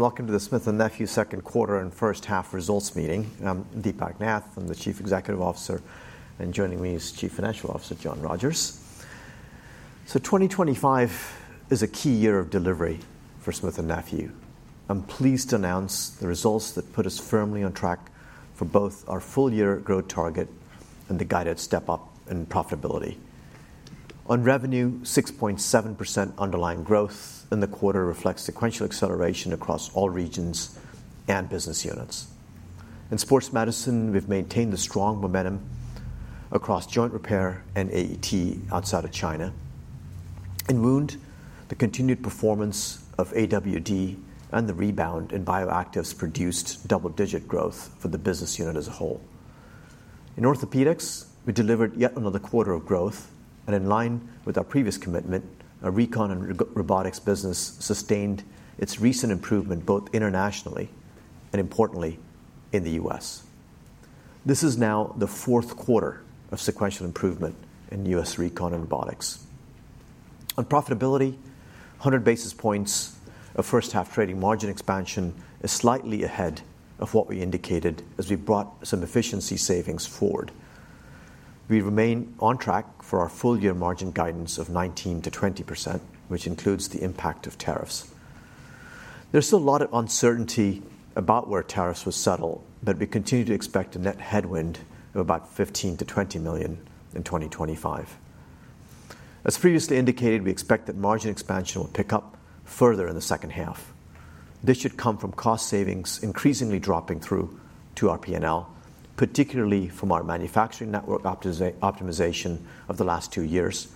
Welcome to the Smith & Nephew Second Quarter and First Half Results Meeting. I'm Deepak Nath, I'm the Chief Executive Officer. Joining me is Chief Financial Officer, John Rogers. 2025 is a key year of delivery for Smith & Nephew. I'm pleased to announce the results that put us firmly on track for both our full-year growth target and the guided step up in profitability. On revenue, 6.7% underlying growth in the quarter reflects sequential acceleration across all regions and business units. In sports medicine, we've maintained the strong momentum across joint repair and AET outside of China. In wound, the continued performance of AWD and the rebound in bioactives produced double-digit growth for the business unit as a whole. In orthopedics, we delivered yet another quarter of growth and in line with our previous commitment, our recon and robotics business sustained its recent improvement both internationally and importantly, in the U.S. This is now the fourth quarter of sequential improvement in U.S. recon and robotics. On profitability, 100 basis points of first-half trading margin expansion is slightly ahead of what we indicated, as we brought some efficiency savings forward. We remain on track for our full-year margin guidance of 19%-20%, which includes the impact of tariffs. There's still a lot of uncertainty about where tariffs would settle, but we continue to expect a net headwind of about $15million-$20 million in 2025. As previously indicated, we expect that margin expansion will pick up further in the second half. This should come from cost savings increasingly dropping through to our P&L, particularly from our manufacturing network optimization of the last two years,,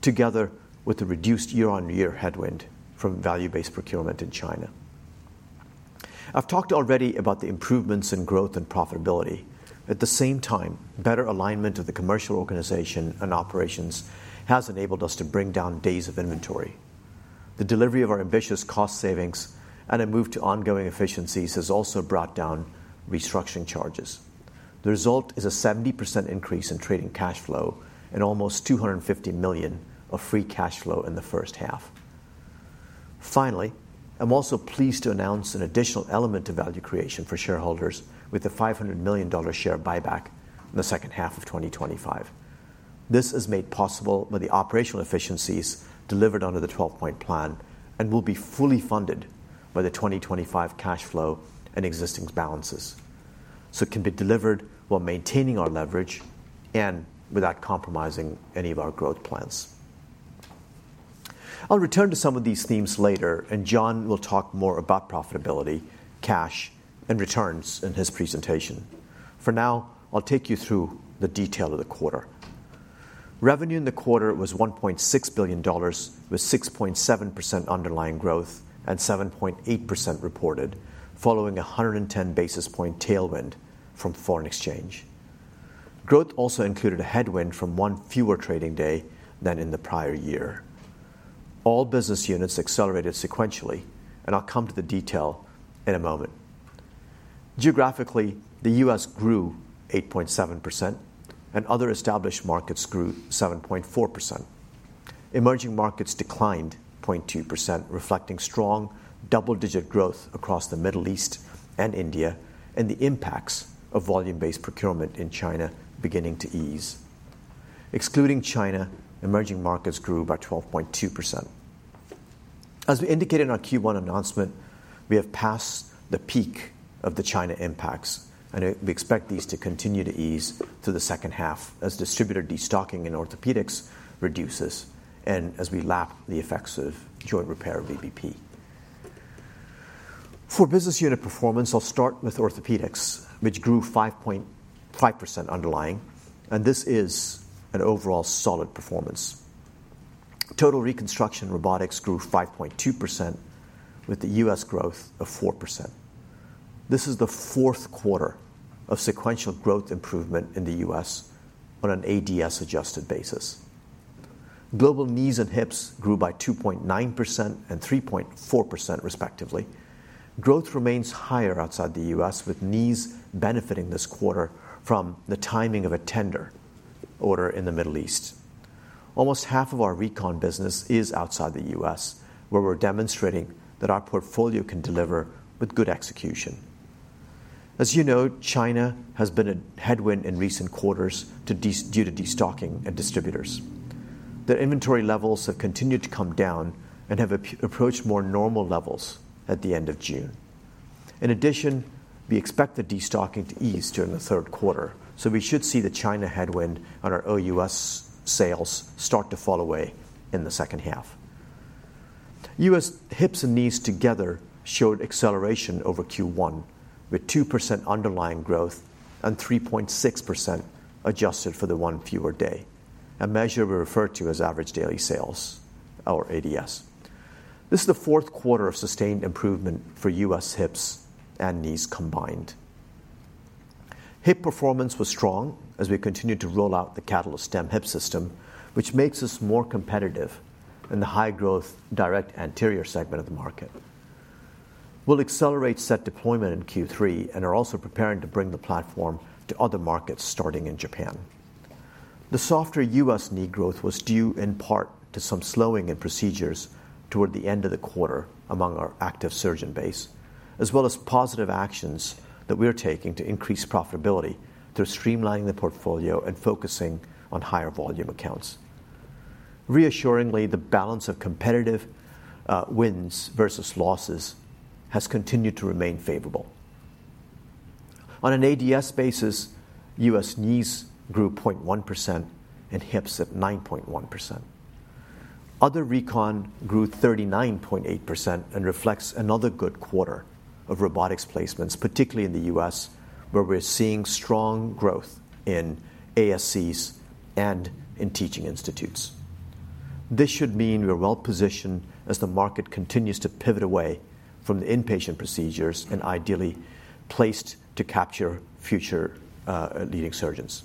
together with the reduced year-on-year headwind from value-based procurement in China. I've talked already about the improvements in growth and profitability. At the same time, better alignment of the commercial organization and operations has enabled us to bring down days of inventory. The delivery of our ambitious cost savings and a move to ongoing efficiencies has also brought down restructuring charges. The result is a 70% increase in trading cash flow, and almost $250 million of free cash flow in the first half. Finally, I'm also pleased to announce an additional element of value creation for shareholders, with a $500 million share buyback in the second half of 2025. This is made possible by the operational efficiencies delivered under the 12-point plan and will be fully funded by the 2025 cash flow and existing balances, so it can be delivered while maintaining our leverage and without compromising any of our growth plans. I'll return to some of these themes later, and John will talk more about profitability, cash, and returns in his presentation. For now, I'll take you through the detail of the quarter. Revenue in the quarter was $1.6 billion, with 6.7% underlying growth and 7.8% reported, following a 110 basis point tailwind from foreign exchange. Growth also included a headwind from one fewer trading day than in the prior year. All business units accelerated sequentially, and I'll come to the detail in a moment. Geographically, the U.S. grew 8.7% and other established markets grew 7.4%. Emerging markets declined 0.2%, reflecting strong double-digit growth across the Middle East and India and the impacts of value-based procurement in China beginning to ease. Excluding China, emerging markets grew by 12.2%. As we indicated in our Q1 announcement, we have passed the peak of the China impacts and we expect these to continue to ease through the second half as distributor destocking in orthopedics reduces, and as we lap the effects of joint repair VBP. For business unit performance, I'll start with orthopedics, which grew 5.5% underlying and this is an overall solid performance. Total reconstruction, robotics grew 5.2%, with the U.S. growth of 4%. This is the fourth quarter of sequential improvement in the U.S., on an ADS-adjusted basis. Global knees and hips grew by 2.9% and 3.4%, respectively. Growth remains high outside the U.S., with knees benefiting this quarter from the timing of a tender order in the Middle East. Almost half of our recon business is outside the U.S., where we're demonstrating that our portfolio can deliver with good execution. As you know, China has been a headwind in recent quarters due to destocking and distributors. Their inventory levels have continued to come down, and have approached more normal levels at the end of June. In addition, we expect the destocking to ease during the third quarter, so we should see the China headwind on our OUS sales start to fall away in the second half. U.S. hips and knees together showed acceleration over Q1, with 2% underlying growth and 3.6% adjusted for the one fewer day, a measure we refer to as average daily sales or ADS. This is the fourth quarter of sustained improvement for U.S. hips and knees combined. Hip performance was strong as we continue to roll out the CATALYSTEM hip system, which makes us more competitive in the high-growth direct anterior segment of the market. We'll accelerate set deployment in Q3, and are also preparing to bring the platform to other markets starting in Japan. The softer U.S. knee growth was due in part to some slowing in procedures toward the end of the quarter among our active surgeon base, as well as positive actions that we are taking to increase profitability through streamlining the portfolio and focusing on higher volume accounts. Reassuringly, the balance of competitive wins versus losses has continued to remain favorable. On an ADS basis. U.S. knees grew 0.1% and hips at 9.1%. Other recon grew 39.8% and reflects another good quarter of robotics placements, particularly in the U.S. where we're seeing strong growth in ASCs and in teaching institutes. This should mean we're well-positioned as the market continues to pivot away from the inpatient procedures, and ideally placed to capture future leading surgeons.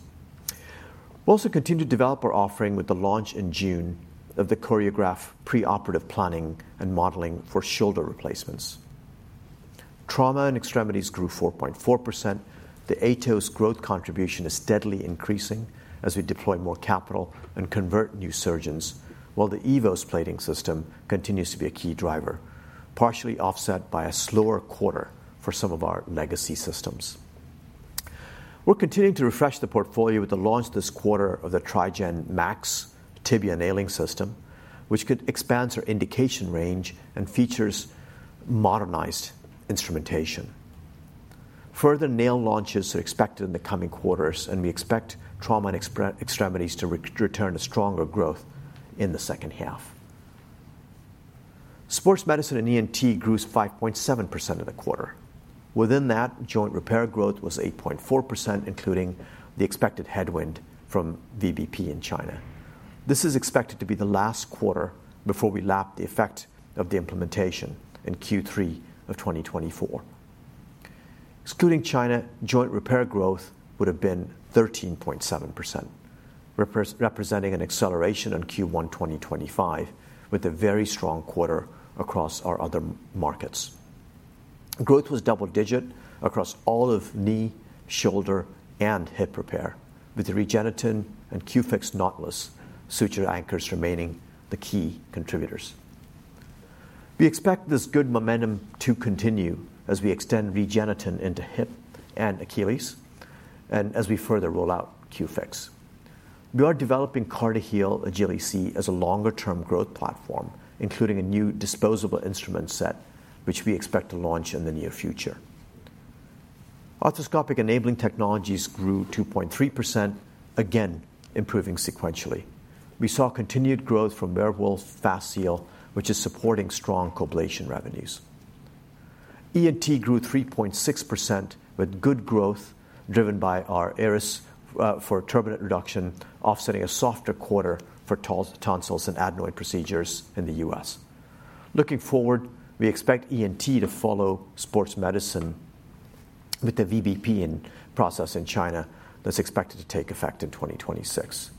We also continue to develop our offering with the launch in June of the CORIOGRAPH preoperative planning and modeling for shoulder replacements. Trauma and extremities grew 4.4%. The AETOS growth contribution is steadily increasing as we deploy more capital and convert new surgeons, while the EVOS plating system continues to be a key driver, partially offset by a slower quarter for some of our legacy systems. We're continuing to refresh the portfolio with the launch this quarter of the TRIGEN MAX Tibia Nailing System, which could expand our indication range and features modernized instrumentation. Further nail launches are expected in the coming quarters, and we expect trauma and extremities to return to stronger growth in the second half. Sports medicine & ENT grew 5.7% in the quarter. Within that, joint repair growth was 8.4% including the expected headwind from VBP in China. This is expected to be the last quarter before we lapped the effect of the implementation in Q3 of 2024. Excluding China, joint repair growth would have been 13.7%, representing an acceleration in Q1 2025, with a very strong quarter across our other markets. Growth was double-digit across all of knee, shoulder, and hip repair, with the REGENETEN and Q-FIX Nautilus suture anchors remaining the key contributors. We expect this good momentum to continue as we extend REGENETEN into hip and Achilles, as we further roll out Q-FIX. We are developing CARTIHEAL AGILI-C as a longer-term growth platform, including a new disposable instrument set, which we expect to launch in the near future. Arthroscopic enabling technologies grew 2.3%, again improving sequentially. We saw continued growth from WEREWOLF FASTSEAL, which is supporting strong COBLATION revenues. ENT grew 3.6%, with good growth driven by our ARIS for turbinate reduction, offsetting a softer quarter for tonsils and adenoid procedures in the U.S. Looking forward, we expect ENT to follow sports medicine, with the VBP process in China that's expected to take effect in 2026.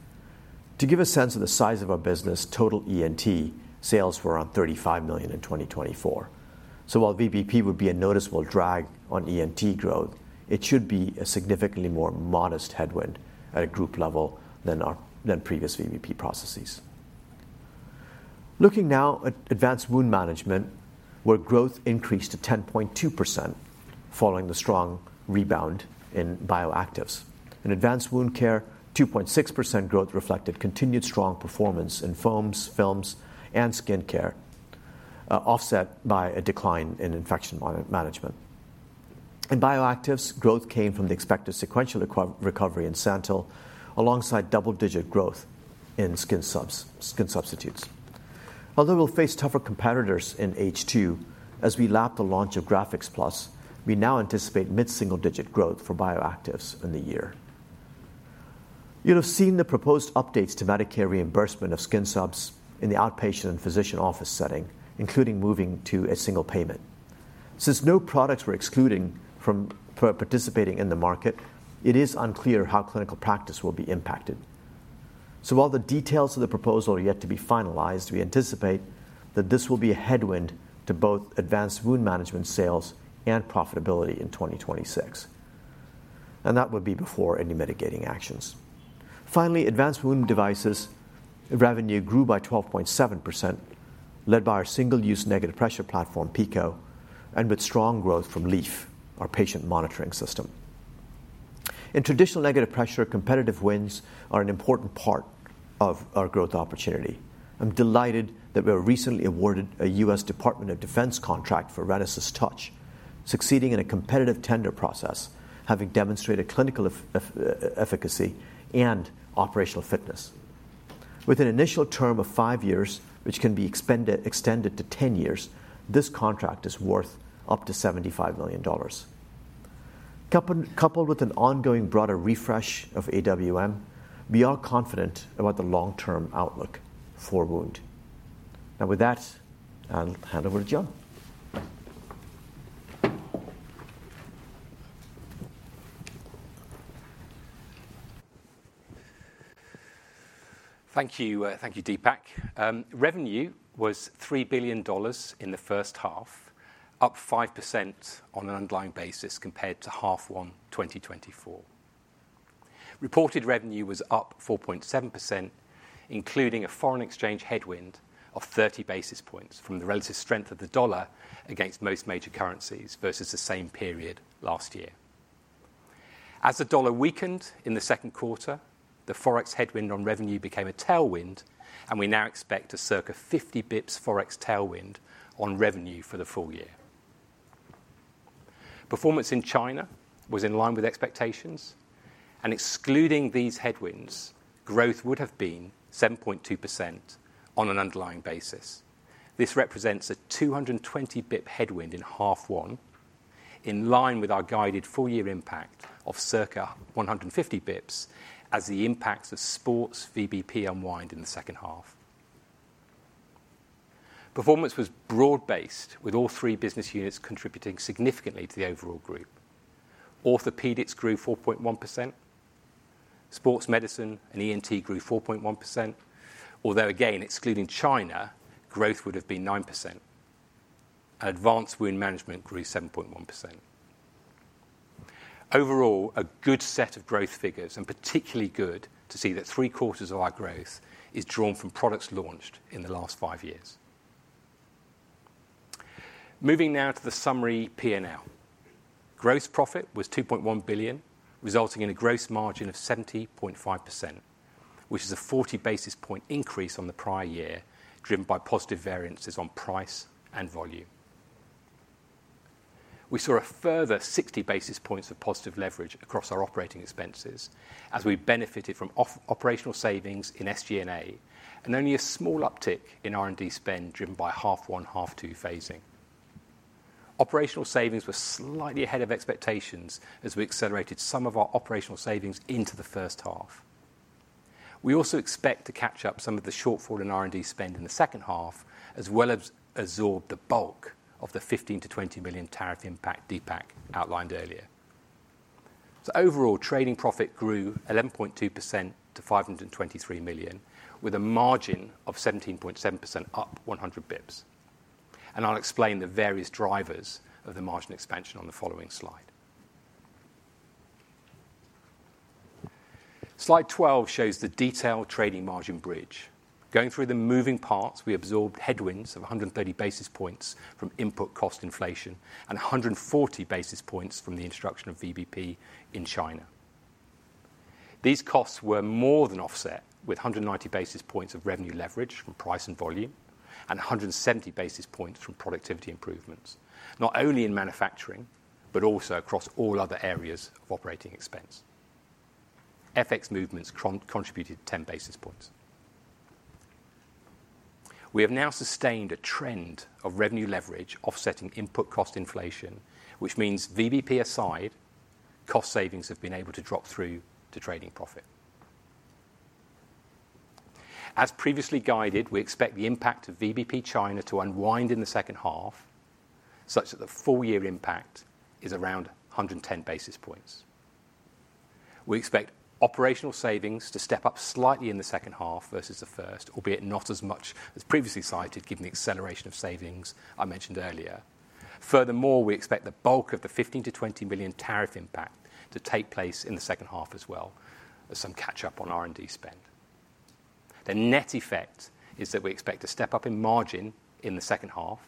To give a sense of the size of our business, total ENT sales were $35 million in 2024. While VBP would be a noticeable drag on ENT growth, it should be a significantly more modest headwind at a group level than our previous VBP processes. Looking now at Advanced Wound Management, where growth increased to 10.2%, following the strong rebound in bioactives. In advanced wound care, 2.6% growth reflected continued strong performance in foams, films, and skin care, offset by a decline in infection management. In bioactives, growth came from the expected sequential recovery in SANTYL, alongside double-digit growth in skin substitutes. Although we'll face tougher competitors in H2 as we lap the launch of GRAFIX PL, we now anticipate mid single-digit growth for bioactives in the year. You'll have seen the proposed updates to Medicare reimbursement of skin subs in the outpatient and physician office setting, including moving to a single payment. Since no products were excluded from participating in the market, it is unclear how clinical practice will be impacted. While the details of the proposal are yet to be finalized, we anticipate that this will be a headwind to both Advanced Wound Management sales and profitability in 2026, and that would be before any mitigating actions. Finally, advanced wound devices revenue grew by 12.7%, led by our single-use negative pressure platform PICO and with strong growth from LEAF, our patient monitoring system. In traditional negative pressure, competitive wins are an important part of our growth opportunity. I'm delighted that we were recently awarded a U.S. Department of Defense contract for RENASYS TOUCH, succeeding in a competitive tender process, having demonstrated clinical efficacy and operational fitness. With an initial term of five years, which can be extended to 10 years, this contract is worth up to $75 million. Coupled with an ongoing broader refresh of AWM, we are confident about the lon-term outlook for wound. Now with that, I'll hand over to John. Thank you. Thank you, Deepak. Revenue was $3 billion in the first half, up 5% on an underlying basis compared to half one 2024. Reported revenue was up 4.7%, including a foreign exchange headwind of 30 basis points from the relative strength of the dollar against most major currencies versus the same period last year. As the dollar weakened in the second quarter, the forex headwind on revenue became a tailwind and we now expect to circa 50 bps forex tailwind on revenue for the full year. Performance in China was in line with expectations and excluding these headwinds, growth would have been 7.2% on an underlying basis. This represents a 220 bp headwind in half one, in line with our guided full year impact of circa 150 bps as the impacts of sports VBP unwind in the second half. Performance was broad-based, with all three business units contributing significantly to the overall group. Orthopedics grew 4.1%, sports medicine & ENT grew 4.1%, although again excluding China, growth would have been 9%. Advanced Wound Management grew 7.1%. Overall, a good set of growth figures, and particularly good to see that three quarters of our growth is drawn from products launched in the last five years. Moving now to the summary P&L, gross profit was $2.1 billion, resulting in a gross margin of 70.5%, which is a 40 basis point increase on the prior year driven by positive variances on price and volume. We saw a further 60 basis points of positive leverage across our operating expenses, as we benefited from operational savings in SG&A and only a small uptick in R&D spend driven by half one, half two phasing. Operational savings were slightly ahead of expectations, as we accelerated some of our operational savings into the first half. We also expect to catch up some of the shortfall in R&D spend in the second half, as well as absorb the bulk of the $15 million-$20 million tariff impact Deepak outlined earlier. Overall, trading profit grew 11.2% to $523 million, with a margin of 17.7% up 100 bps. I'll explain the various drivers of the margin expansion on the following slide. Slide 12 shows the detailed trading margin bridge. Going through the moving parts, we absorbed headwinds of 130 basis points from input cost inflation and 140 basis points from the introduction of VBP in China. These costs were more than offset, with 190 basis points of revenue leverage from price and volume, and 170 basis points from productivity improvements not only in manufacturing, but also across all other areas of operating expense. FX movements contributed 10 basis points. We have now sustained a trend of revenue leverage offsetting input cost inflation, which means VBP aside, cost savings have been able to drop through to trading profit. As previously guided, we expect the impact of VBP China to unwind in the second half, such that the full-year impact is around 110 basis points. We expect operational savings to step up slightly in the second half versus the first, albeit not as much as previously cited, given the acceleration of savings I mentioned earlier. Furthermore, we expect the bulk of the $15million-$20 million tariff impact to take place in the second half as well as some catch up on R&D spend. The net effect is that we expect a step up in margin in the second half,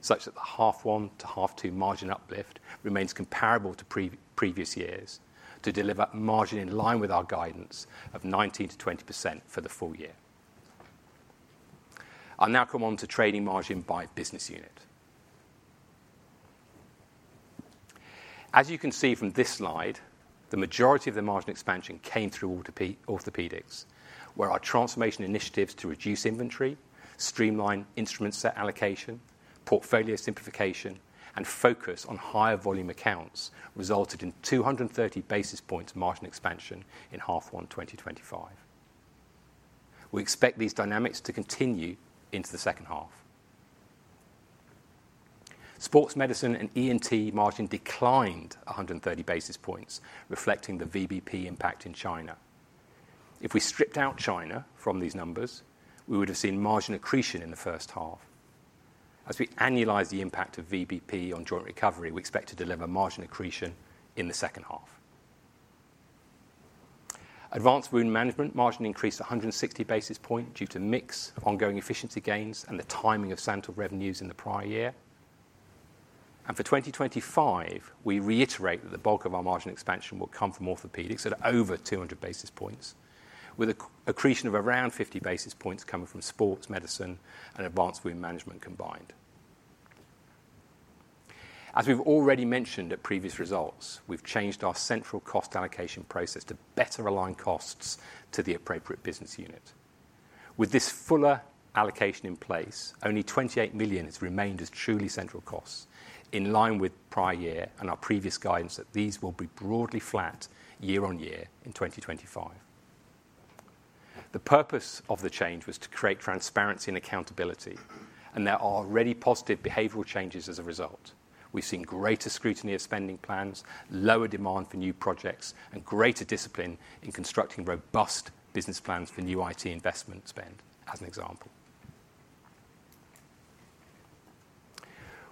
such that the half one to half two margin uplift remains comparable to previous years, to deliver margin in line with our guidance of 19%-20% for the full year. I'll now come on to trading margin by business unit. As you can see from this slide, the majority of the margin expansion came through orthopedics, where our transformation initiatives to reduce inventory, streamline instrument set allocation, portfolio simplification, and focus on higher volume accounts resulted in 230 basis points margin expansion in half one 2025. We expect these dynamics to continue into the second half. Sports medicine & ENT margin declined 130 basis points, reflecting the VBP impact in China. If we stripped out China from these numbers, we would have seen margin accretion in the first half. As we annualize the impact of VBP on joint recovery, we expect to deliver margin accretion in the second half. Advanced Wound Management margin increased 160 basis points due to mix, ongoing efficiency gains and the timing of SANTYL revenues in the prior year. For 2025, we reiterate that the bulk of our margin expansion will come from orthopedics at over 200 basis points, with accretion around 50 basis points coming from sports medicine and Advanced Wound Management combined. As we've already mentioned at previous results, we've changed our central cost allocation process to better align costs to the appropriate business unit. With this fuller allocation in place, only $28 million has remained as truly central costs, in line with prior year and our previous guidance that these will be broadly flat year-on-year in 2025. The purpose of the change was to create transparency and accountability, and there are already positive behavioral changes as a result. We've seen greater scrutiny of spending plans, lower demand for new projects and greater discipline in constructing robust business plans for new IT investment spend, as an example.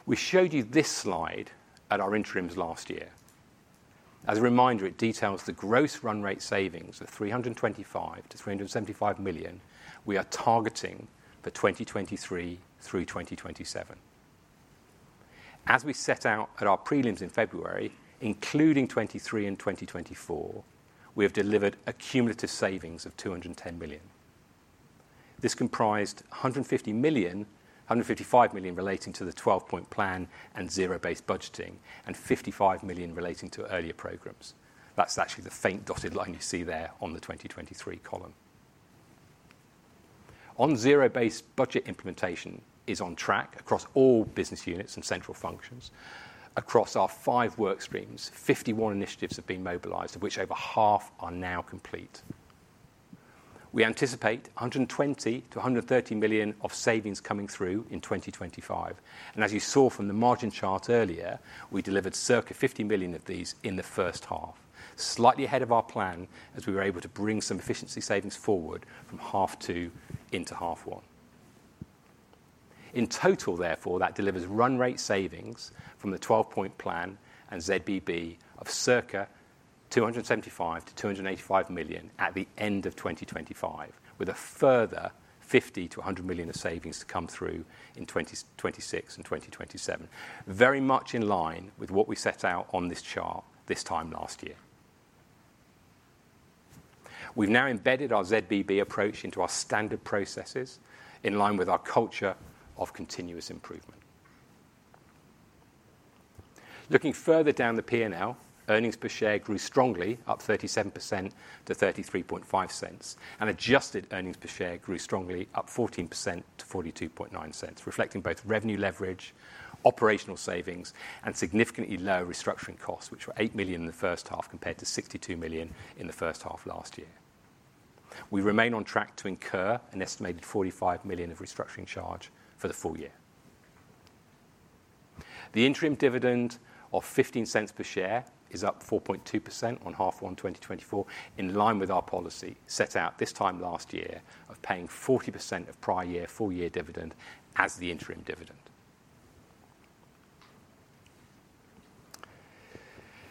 We showed you this slide at our interims last year. As a reminder, it details the gross run rate savings of $325 million-$375 million we are targeting for 2023 through 2027. As we set out at our prelims in February, including 2023 and 2024, we have delivered accumulative savings of $210 million. This comprised $155 million relating to the 12-point plan and zero-based budgeting, and $55 million relating to earlier programs. That's actually the faint dotted line you see there on the 2023 column. Zero-based budget implementation is on track across all business units and central functions. Across our five work streams, 51 initiatives have been mobilized, of which over half are now complete. We anticipate $120 million-$130 million of savings coming through in 2025. As you saw from the margin chart earlier, we delivered circa $50 million of these in the first half, slightly ahead of our plan, as we were able to bring some efficiency savings forward from half two into half one. In total therefore, that delivers run rate savings from the 12-point plan and ZBB of circa $275 million-$285 million at the end of 2025, with a further $50 million-$100 million of savings to come through in 2026 and 2027. Very much in line with what we set out on this chart this time last year. We've now embedded our ZBB approach into our standard processes, in line with our culture of continuous improvement. Looking further down the P&L, earnings per share grew strongly, up 37% to $0.335 and adjusted earnings per share grew strongly, up 14% to $0.429, reflecting both revenue leverage, operational savings, and significantly lower restructuring costs, which were $8 million in the first half compared to $62 million in the first half last year. We remain on track to incur an estimated $45 million of restructuring charge for the full year. The interim dividend of $0.15 per share is up 4.2% on half one 2024, in line with our policy set out this time last year, of paying 40% of prior-year full-year dividend as the interim dividend.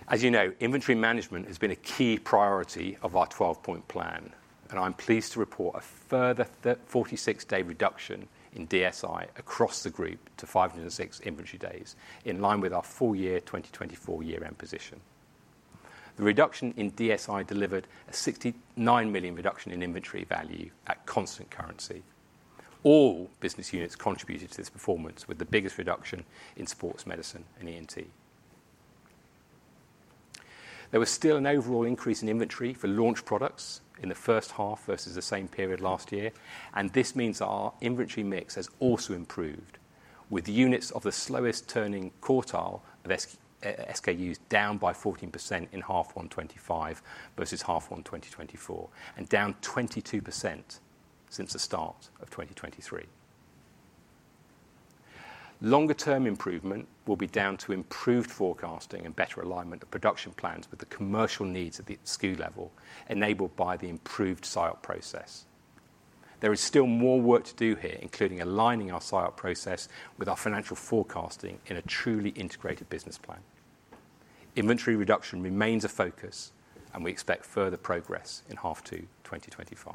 As you know, inventory management has been a key priority of our 12-point plan. I'm pleased to report a further 46-day reduction in DSI across the group to 506 inventory days, in line with our full-year 2024 year-end position. The reduction in DSI delivered a $69 million reduction in inventory value at constant currency. All business units contributed to this performance, with the biggest reduction in sports medicine & ENT. There was still an overall increase in inventory for launch products in the first half versus the same period last year. This means our inventory mix has also improved, with units of the slowest turning quartile of SKUs down by 14% in half one 2025 versus half one 2024, and down 22% since the start of 2023. Longer-term improvement will be down to improved forecasting and better alignment of production plans, with the commercial needs at the SKU level, enabled by the improved SIOP process. There is still more work to do here, including aligning our SIOP process with our financial forecasting in a truly integrated business plan. Inventory reduction remains a focus, and we expect further progress in half two 2025.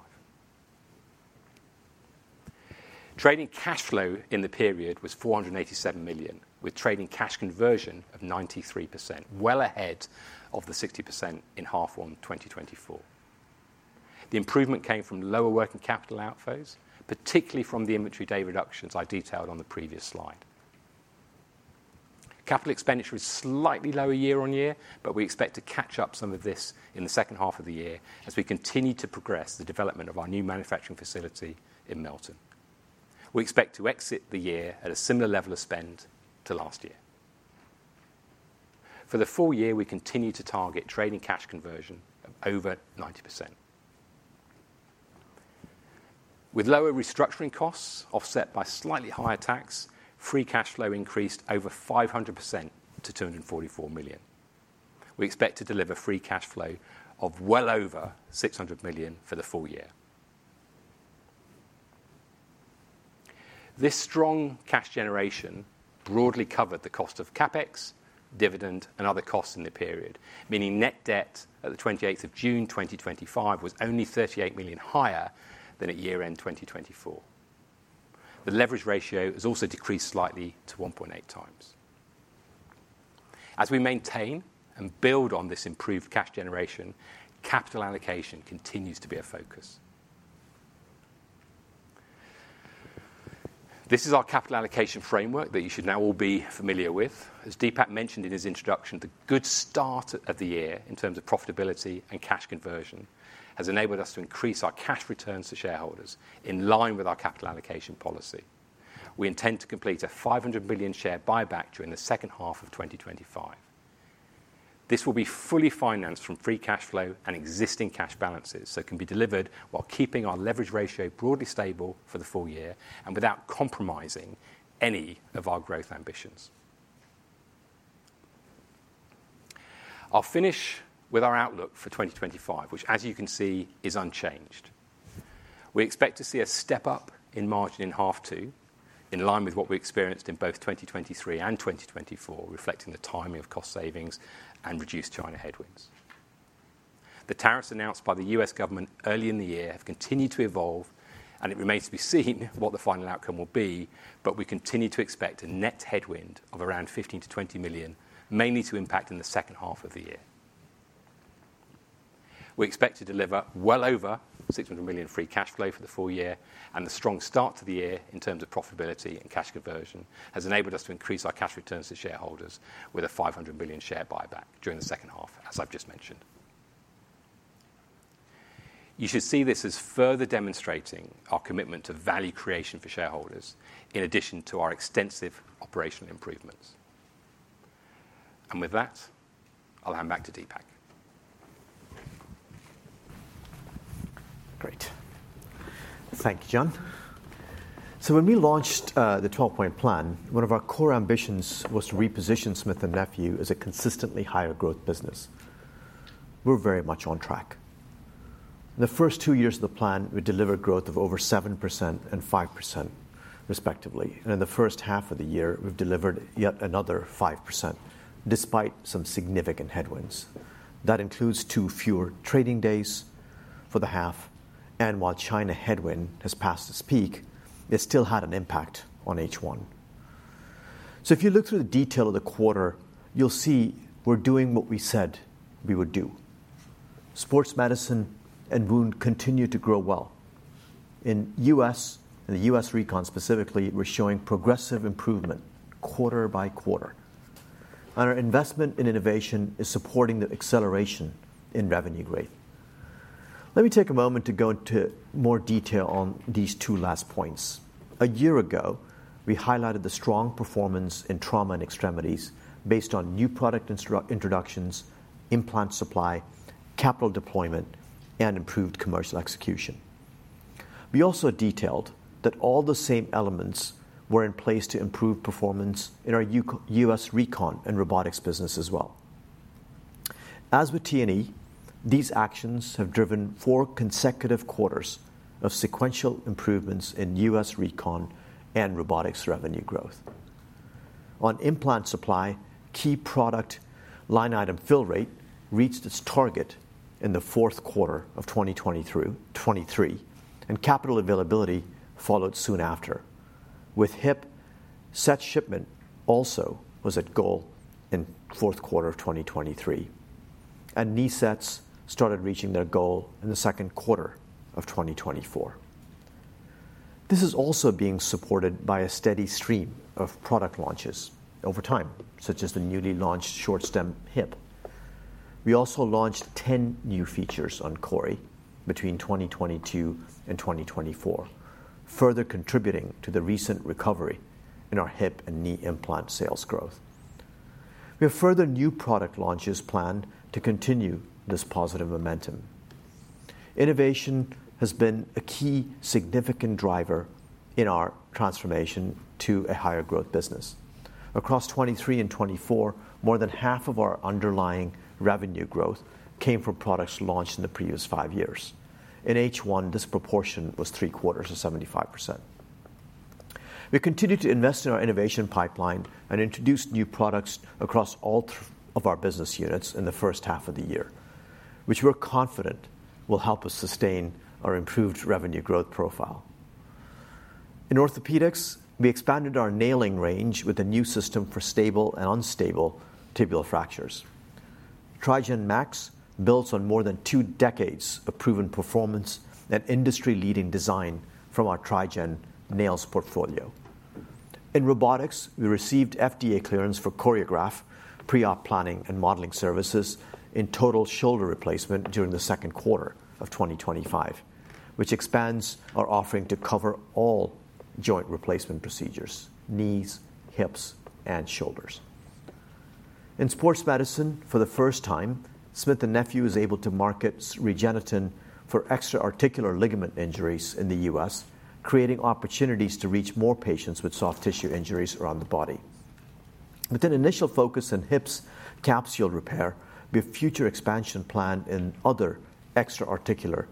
Trading cash flow in the period was $487 million, with trading cash conversion of 93%, well ahead of the 60% in half one 2024. The improvement came from lower working capital outflows, particularly from the inventory day reductions I detailed on the previous slide. Capital expenditure is slightly lower year-on-year, but we expect to catch up some of this in the second half of the year, as we continue to progress the development of our new manufacturing facility in Melton. We expect to exit the year at a similar level of spend to last year. For the full-year, we continue to target trading cash conversion of over 90%. With lower restructuring costs offset by slightly higher tax, free cash flow increased over 500% to $244 million. We expect to deliver free cash flow of well over $360 million for the full year. This strong cash generation broadly covered the cost of CapEx, dividend and other costs in the period. Meaning net debt at 28th June, 2025 was only $38 million higher than at year-end 2024. The leverage ratio has also decreased slightly to 1.8x. As we maintain and build on this improved cash generation, capital allocation continues to be a focus. This is our capital allocation framework that you should now all be familiar with. As Deepak mentioned in his introduction, the good start of the year in terms of profitability and cash conversion has enabled us to increase our cash returns to shareholders, in line with our capital allocation policy. We intend to complete a $500 billion share buyback during the second half of 2025. This will be fully financed from free cash flow and existing cash balances, so can be delivered while keeping our leverage ratio broadly stable for the full year and without compromising any of our growth ambitions. I'll finish with our outlook for 2025, which as you can see is unchanged. We expect to see a step up in margin in half two, in line with what we experienced in both 2023 and 2024, reflecting the timing of cost savings and reduced China headwinds. The tariffs announced by the U.S. Government early in the year have continued to evolve, and it remains to be seen what the final outcome will be. We continue to expect a net headwind of around $15 million-$20 million, mainly to impact in the second half of the year. We expect to deliver well over $600 million free cash flow for the full year. The strong start to the year in terms of profitability and cash conversion has enabled us to increase our cash returns to shareholders, with a $500 million share buyback during the second half as I've just mentioned. You should see this as further demonstrating our commitment to value creation for shareholders, in addition to our extensive operational improvements. With that, I'll hand back to Deepak. Great. Thank you, John. When we launched the 12-point plan, one of our core ambitions was to reposition Smith & Nephew as a consistently higher growth business. We're very much on track. In the first two years of the plan, we delivered growth of over 7% and 5% respectively. In the first half of the year, we've delivered yet another 5% despite some significant headwinds. That includes two fewer trading days for the half. While the China headwind has passed its peak, it still had an impact on H1. If you look through the detail of the quarter, you'll see we're doing what we said we would do. Sports medicine and wound continue to grow well. In the U.S., recon specifically, we're showing progressive improvement quarter by quarter. Our investment in innovation is supporting the acceleration in revenue growth. Let me take a moment to go into more detail on these two last points. A year ago, we highlighted the strong performance in trauma and extremities based on new product introductions, implant supply, capital deployment, and improved commercial execution. We also detailed that all the same elements were in place to improve performance in our U.S. recon and robotics business as well. As with T&E, these actions have driven four consecutive quarters of sequential improvements in U.S. recon and robotics revenue growth. On implant supply, key product line item fill rate reached its target in the fourth quarter of 2023 and capital availability followed soon after. With hip, set shipment also was at goal in the fourth quarter of 2023, and knee sets started reaching their goal in the second quarter of 2024. This is also being supported by a steady stream of product launches over time, such as the newly launched short-stem hip. We also launched 10 new features on CORI between 2022 and 2024, further contributing to the recent recovery in our hip and knee implant sales growth. We have further new product launches planned to continue this positive momentum. Innovation has been a key significant driver in our transformation to a higher growth business. Across 2023 and 2024, more than half of our underlying revenue growth came from products launched in the previous five years. In H1, this proportion was 3/4 or 75%. We continue to invest in our innovation pipeline and introduce new products across all of our business units in the first half of the year, which we're confident will help us sustain our improved revenue growth profile. In orthopedics, we expanded our nailing range with a new system for stable and unstable tibial fractures. TRIGEN MAX builds on more than two decades of proven performance, and industry-leading design from our TRIGEN Nails portfolio. In robotics, we received FDA clearance for CORIOGRAPH pre-op planning and modeling services in total shoulder replacement during the second quarter of 2025, which expands our offering to cover all joint replacement procedures, knees, hips, and shoulders. In sports medicine, for the first time, Smith & Nephew is able to market REGENETEN, for extra-articular ligament injuries in the U.S., creating opportunities to reach more patients with soft tissue injuries around the body, with an initial focus on hip capsule repair, with future expansion planned in other extra-articular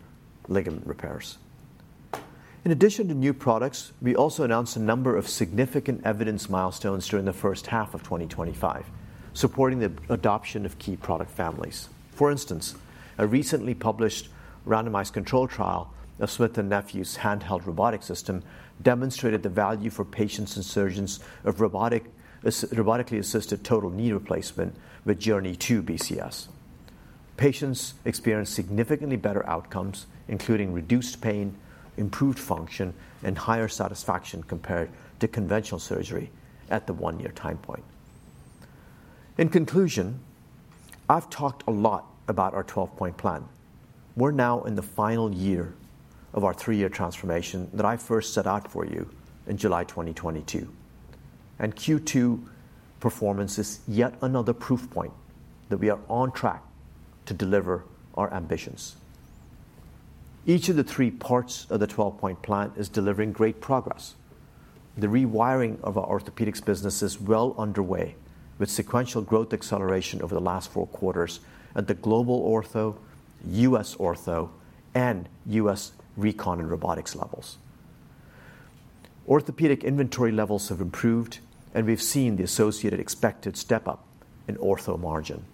ligament repairs. In addition to new products, we also announced a number of significant evidence milestones during the first half of 2025, supporting the adoption of key product families. For instance, a recently published randomized control trial of Smith & Nephew's handheld robotic system, demonstrated the value for patients and surgeons of robotically-assisted total knee replacement with JOURNEY II BCS. Patients experienced significantly better outcomes, including reduced pain, improved function, and higher satisfaction compared to conventional surgery at the one-year time point. In conclusion, I've talked a lot about our 12-point plan. We're now in the final year of our three-year transformation that I first set out for you in July 2022, and Q2 performance is yet another proof point that we are on track to deliver our ambitions. Each of the three parts of the 12-point plan is delivering great progress. The rewiring of our orthopedics business is well underway, with sequential growth acceleration over the last four quarters at the global ortho, U.S. ortho, and U.S. recon and robotics levels. Orthopaedic inventory levels have improved, and we've seen the associated expected step-up in ortho margin.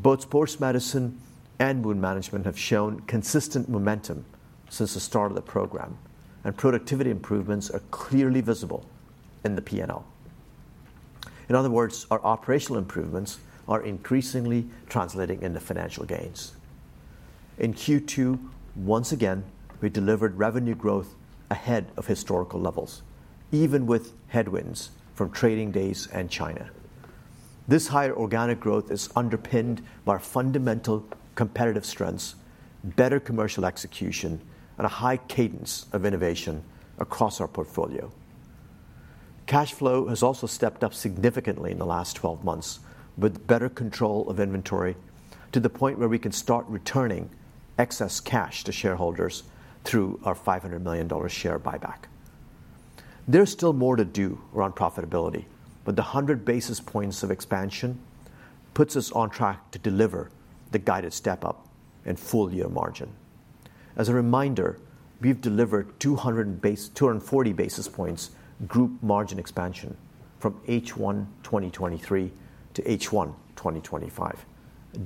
Both sports medicine and wound management have shown consistent momentum since the start of the program, and productivity improvements are clearly visible in the P&L. In other words, our operational improvements are increasingly translating into financial gains. In Q2, once again, we delivered revenue growth ahead of historical levels, even with headwinds from trading days and China. This higher organic growth is underpinned by our fundamental competitive strengths, better commercial execution, and a high cadence of innovation across our portfolio. Cash flow has also stepped up significantly in the last 12 months, with better control of inventory to the point where we can start returning excess cash to shareholders through our $500 million share buyback. There's still more to do around profitability, but the 100 basis points of expansion puts us on track to deliver the guided step up and full-year margin. As a reminder, we've delivered 240 basis points group margin expansion from H1 2023 to H1 2025,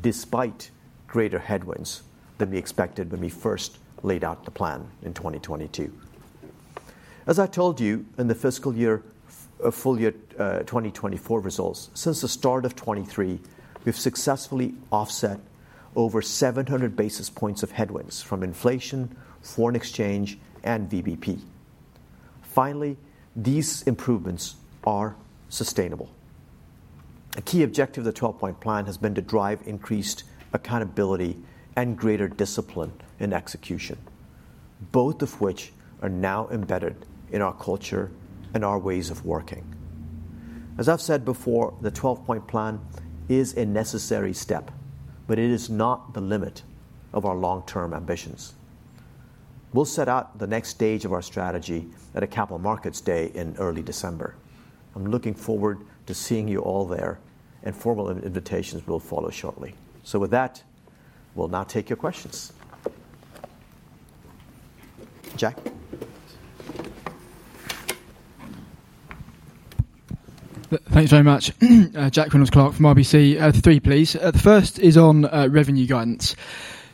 despite greater headwinds than we expected when we first laid out the plan in 2022. As I've told you, in the fiscal year full-year 2024, results since the start of 2023, we've successfully offset over 700 basis points of headwinds from inflation, foreign exchange, and VBP. Finally, these improvements are sustainable. A key objective of the 12-point plan has been to drive increased accountability and greater discipline in execution, both of which are now embedded in our culture and our ways of working. As I've said before, the 12-point plan is a necessary step, but it is not the limit of our long-term ambitions. We'll set out the next stage of our strategy at a capital markets day in early December. I'm looking forward to seeing you all there, and formal invitations will follow shortly. With that, we'll now take your questions. Jack. Thanks very much. Jack Reynolds-Clark from RBC. Three, please. The first is on revenue guidance.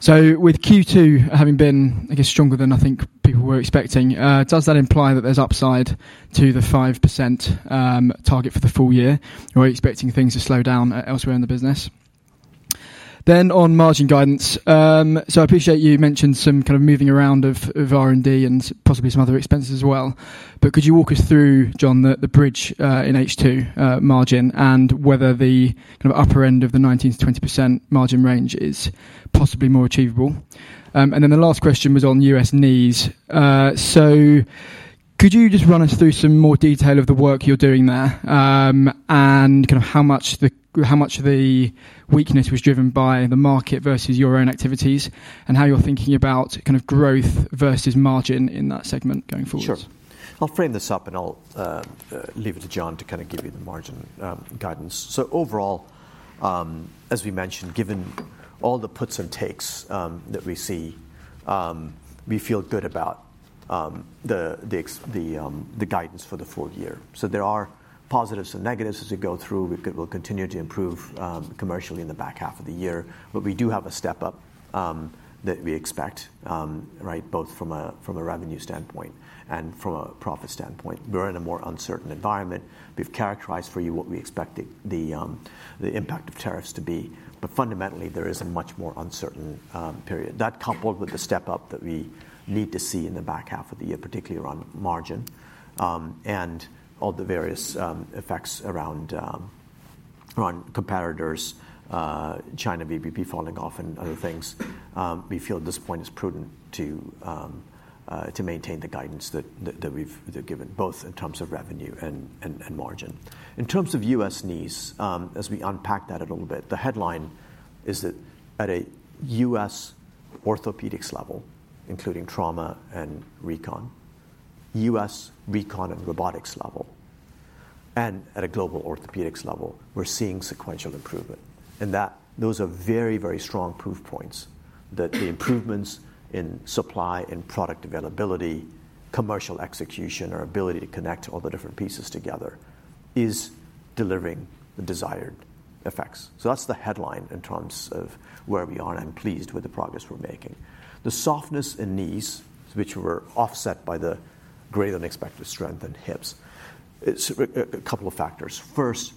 With Q2 having been, I guess, stronger than I think people were expecting, does that imply that there's upside to the 5% target for the full year? Are we expecting things to slow down elsewhere in the business? On margin guidance, I appreciate you mentioned some kind of moving around of R&D and possibly some other expenses as well, but could you walk us through, John, the bridge in H2 margin and whether the upper end of the 19%-20% margin range is possibly more achievable? The last question was on U.S. knees. Could you just run us through some more detail of the work you're doing there, and kind of how much of the weakness was driven by the market versus your own activities, and how you're thinking about kind of growth versus margin in that segment going forward? Sure. I'll frame this up, and I'll leave it to John to kind of give you the margin guidance. Overall, as we mentioned, given all the puts and takes that we see, we feel good about the guidance for the full year. There are positives and negatives as we go through. We'll continue to improve commercially in the back half of the year, but we do have a step up that we expect both from a revenue standpoint and from a profit standpoint. We're in a more uncertain environment. We've characterized for you what we expect the impact of tariffs to be. Fundamentally, there is a much more uncertain period. That, coupled with the step up that we need to see in the back half of the year, particularly around margin and all the various effects around comparators, China, VBP falling off and other things, we feel at this point, it's prudent to maintain the guidance that we've given both in terms of revenue and margin. In terms of U.S. knees, as we unpack that a little bit, the headline is that at a U.S. orthopedics level, including trauma and recon, U.S. recon and robotics level and at a global orthopedics level, we're seeing sequential improvement. Those are very, very strong proof points that the improvements in supply and product availability, commercial execution or ability to connect all the different pieces together is delivering the desired effects. That's the headline in terms of where we are, and I'm pleased with the progress we're making. The softness in knees, were offset by-the-greater-than-expected strength in hips, so a couple of factors. First,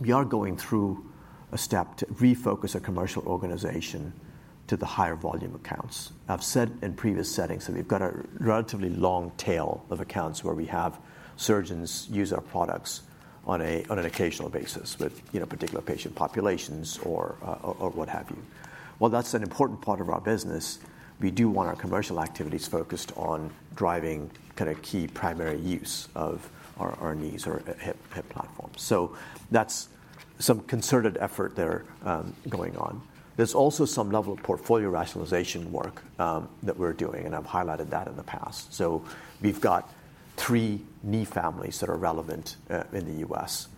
we are going through a step to refocus a commercial organization to the higher volume accounts. I've said in previous settings that we've got a relatively long tail of accounts, where we have surgeons use our products on an occasional basis with particular patient populations or what have you. While that's an important part of our business, we do want our commercial activities focused on driving kind of key primary use of our knees or hip platforms. That's some concerted effort there going on. There's also some level of portfolio rationalization work that we're doing, and I've highlighted that in the past. We've got three knee families that are relevant in the U.S.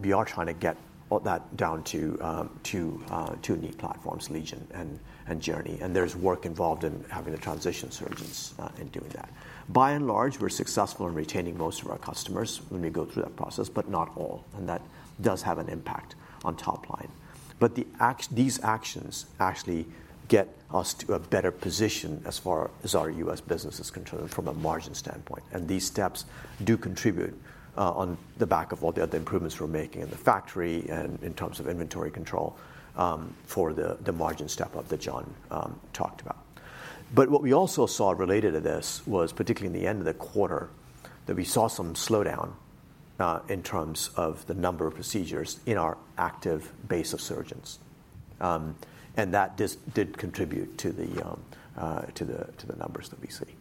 We are trying to get all that down to two knee platforms, LEGION and JOURNEY, and there's work involved in having the transition surgeons in doing that. By and large, we're successful in retaining most of our customers when we go through that process, but not all. That does have an impact on top line. These actions actually get us to a better position as far as our U.S. business is concerned from a margin standpoint. These steps do contribute on the back of all the other improvements we're making in the factory, and in terms of inventory control for the margin step up that John talked about. What we also saw related to this was, particularly in the end of the quarter, that we saw some slowdown in terms of the number of procedures in our active base of surgeons. That did contribute to the numbers that we see.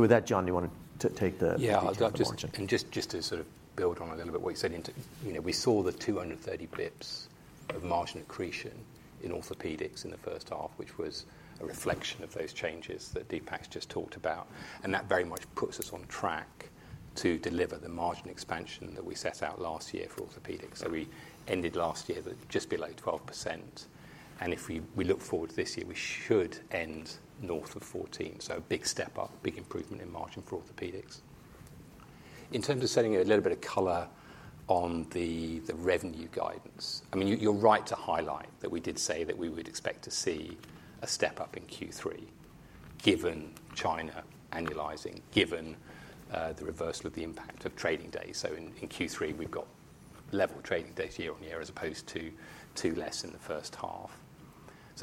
With that, John, do you want to take the? Yeah, I'd love just to sort of build on a little bit what you said. We saw the 230 bps of margin accretion in orthopedics in the first half, which was a reflection of those changes that Deepak has just talked about. That very much puts us on track to deliver the margin expansion that we set out last year for orthopedics. We ended last year at just below 12%. If we look forward to this year, we should end north of 14%, so a big step up, a improvement in margin for orthopedics. In terms of setting a little bit of color on the revenue guidance, you're right to highlight that we did say that we would expect to see a step up in Q3, given China annualizing, given the reversal of the impact of trading days. In Q3, we've got level trading days year-on-year, as opposed to two less in the first half.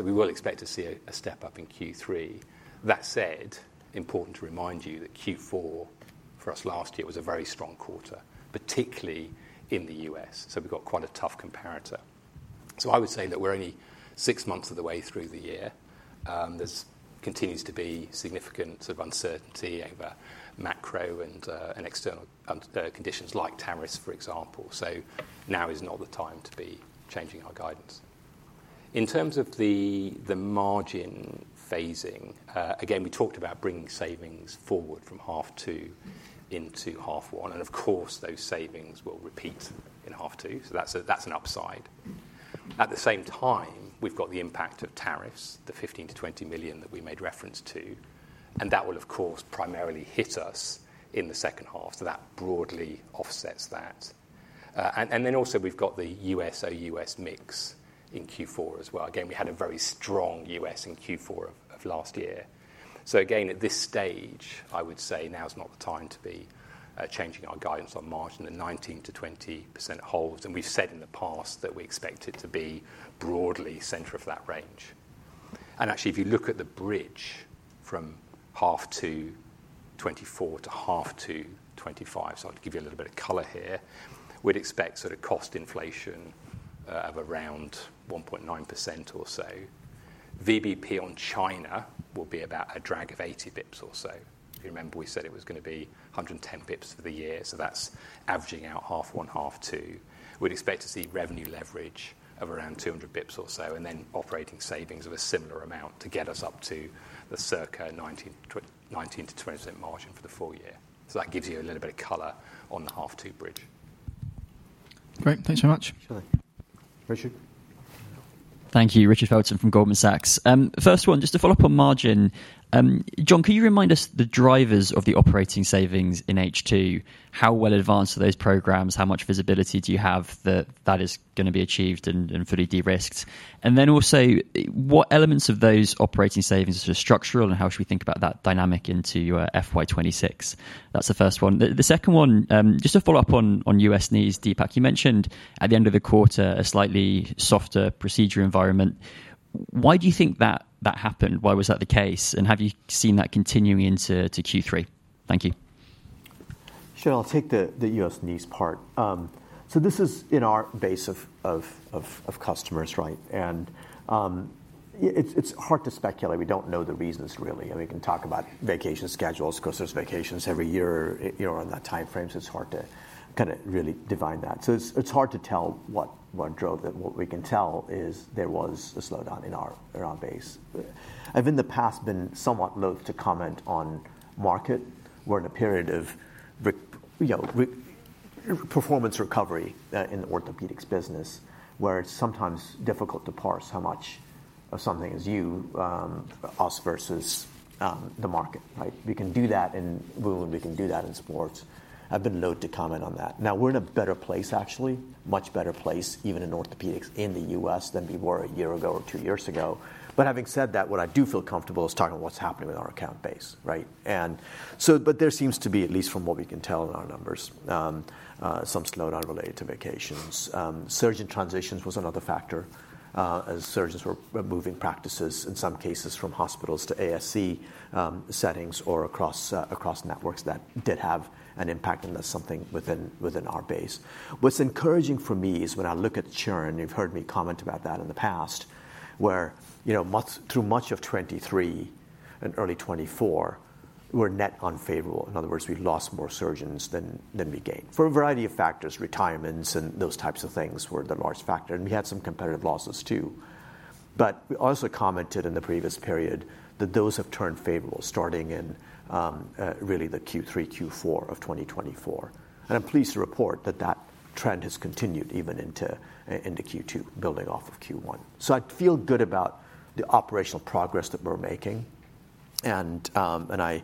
We will expect to see a step up in Q3. That said, important to remind you that Q4 for us last year was a very strong quarter, particularly in the U.S., so we've got quite a tough comparator. I would say that we're only six months of the way through the year. There continues to be significant uncertainty over macro and external conditions like tariffs, for example, so now is not the time to be changing our guidance. In terms of the margin phasing, again we talked about bringing savings forward from half two into half one and of course those savings will repeat in half two. That's an upside. At the same time, we've got the impact of tariffs, the $15 million-$20 million that we made reference to and that will of course primarily hit us in the second half, so that broadly offsets that. Also, we've got the U.S. OUS mix in Q4 as well. Again, we had a very strong US in Q4 of last year. Again, at this stage, I would say now's not the time to be changing our guidance on margin, a 19%-20% hold. We've said in the past that we expect it to be broadly center of that range. Actually, if you look at the bridge from half two 2024 to half two 2025, so I'll give you a little bit of color here, we'd expect sort of cost inflation of around 1.9% or so. VBP on China will be about a drag of 80 bps or so. If you remember, we said it was going to be 110 bps for the year. That's averaging out half one, half two. We'd expect to see revenue leverage of around 200 bps or so, and then operating savings of a similar amount to get us up to the circa 19%-20% margin for the full year. That gives you a little bit of color on the half two bridge. Great. Thanks very much. Sure. Richard. Thank you. Richard Felton from Goldman Sachs. First one, just to follow up on margin, John, can you remind us the drivers of the operating savings in H2? How well advanced are those programs? How much visibility do you have that that is going to be achieved and fully de-risked? Also, what elements of those operating savings are structural, and how should we think about that dynamic into FY 2026? That's the first one. The second one, just to follow up on U.S knees, Deepak, you mentioned at the end of the quarter, a slightly softer procedure environment. Why do you think that happened? Why was that the case? Have you seen that continuing into Q3? Thank you. Sure. Take the U.S. knees part. This is in our base of customers, right? It's hard to speculate. We don't know the reasons really. We can talk about vacation schedules, because there's vacations every year in that timeframe, so it's hard to really define that. It's hard to tell what drove them. What we can tell is, there was a slowdown in our base. I've in the past been somewhat moved to comment on market. We're in a period of performance recovery in the orthopedics business, where it's sometimes difficult to parse how much of something is us versus the market. We can do that in wound. We can do that in sports. I've been [moved] to comment on that now. We're in a better place, actually a much better place even in orthopedics in the U.S. than we were a year ago or two years ago. Having said that, what I do feel comfortable is talking about what's happening with our account base. There seems to be, at least from what we can tell in our numbers, some slowdown related to vacations. Surgeon transitions was another factor, as surgeons were moving practices in some cases from hospitals to ASC settings or across networks. That did have an impact on something within our base. What's encouraging for me is when I look at churn, you've heard me comment about that in the past, where through much of 2023 and early 2024, were net unfavorable. In other words, we lost more surgeons than we gained for a variety of factors. Retirements and those types of things were the large factor, and we had some competitive losses too. We also commented in the previous period that those have turned favorable starting in really the Q3, Q4 of 2024. I'm pleased to report that that trend has continued even into Q2, building off of Q1. I feel good about the operational progress that we're making, and I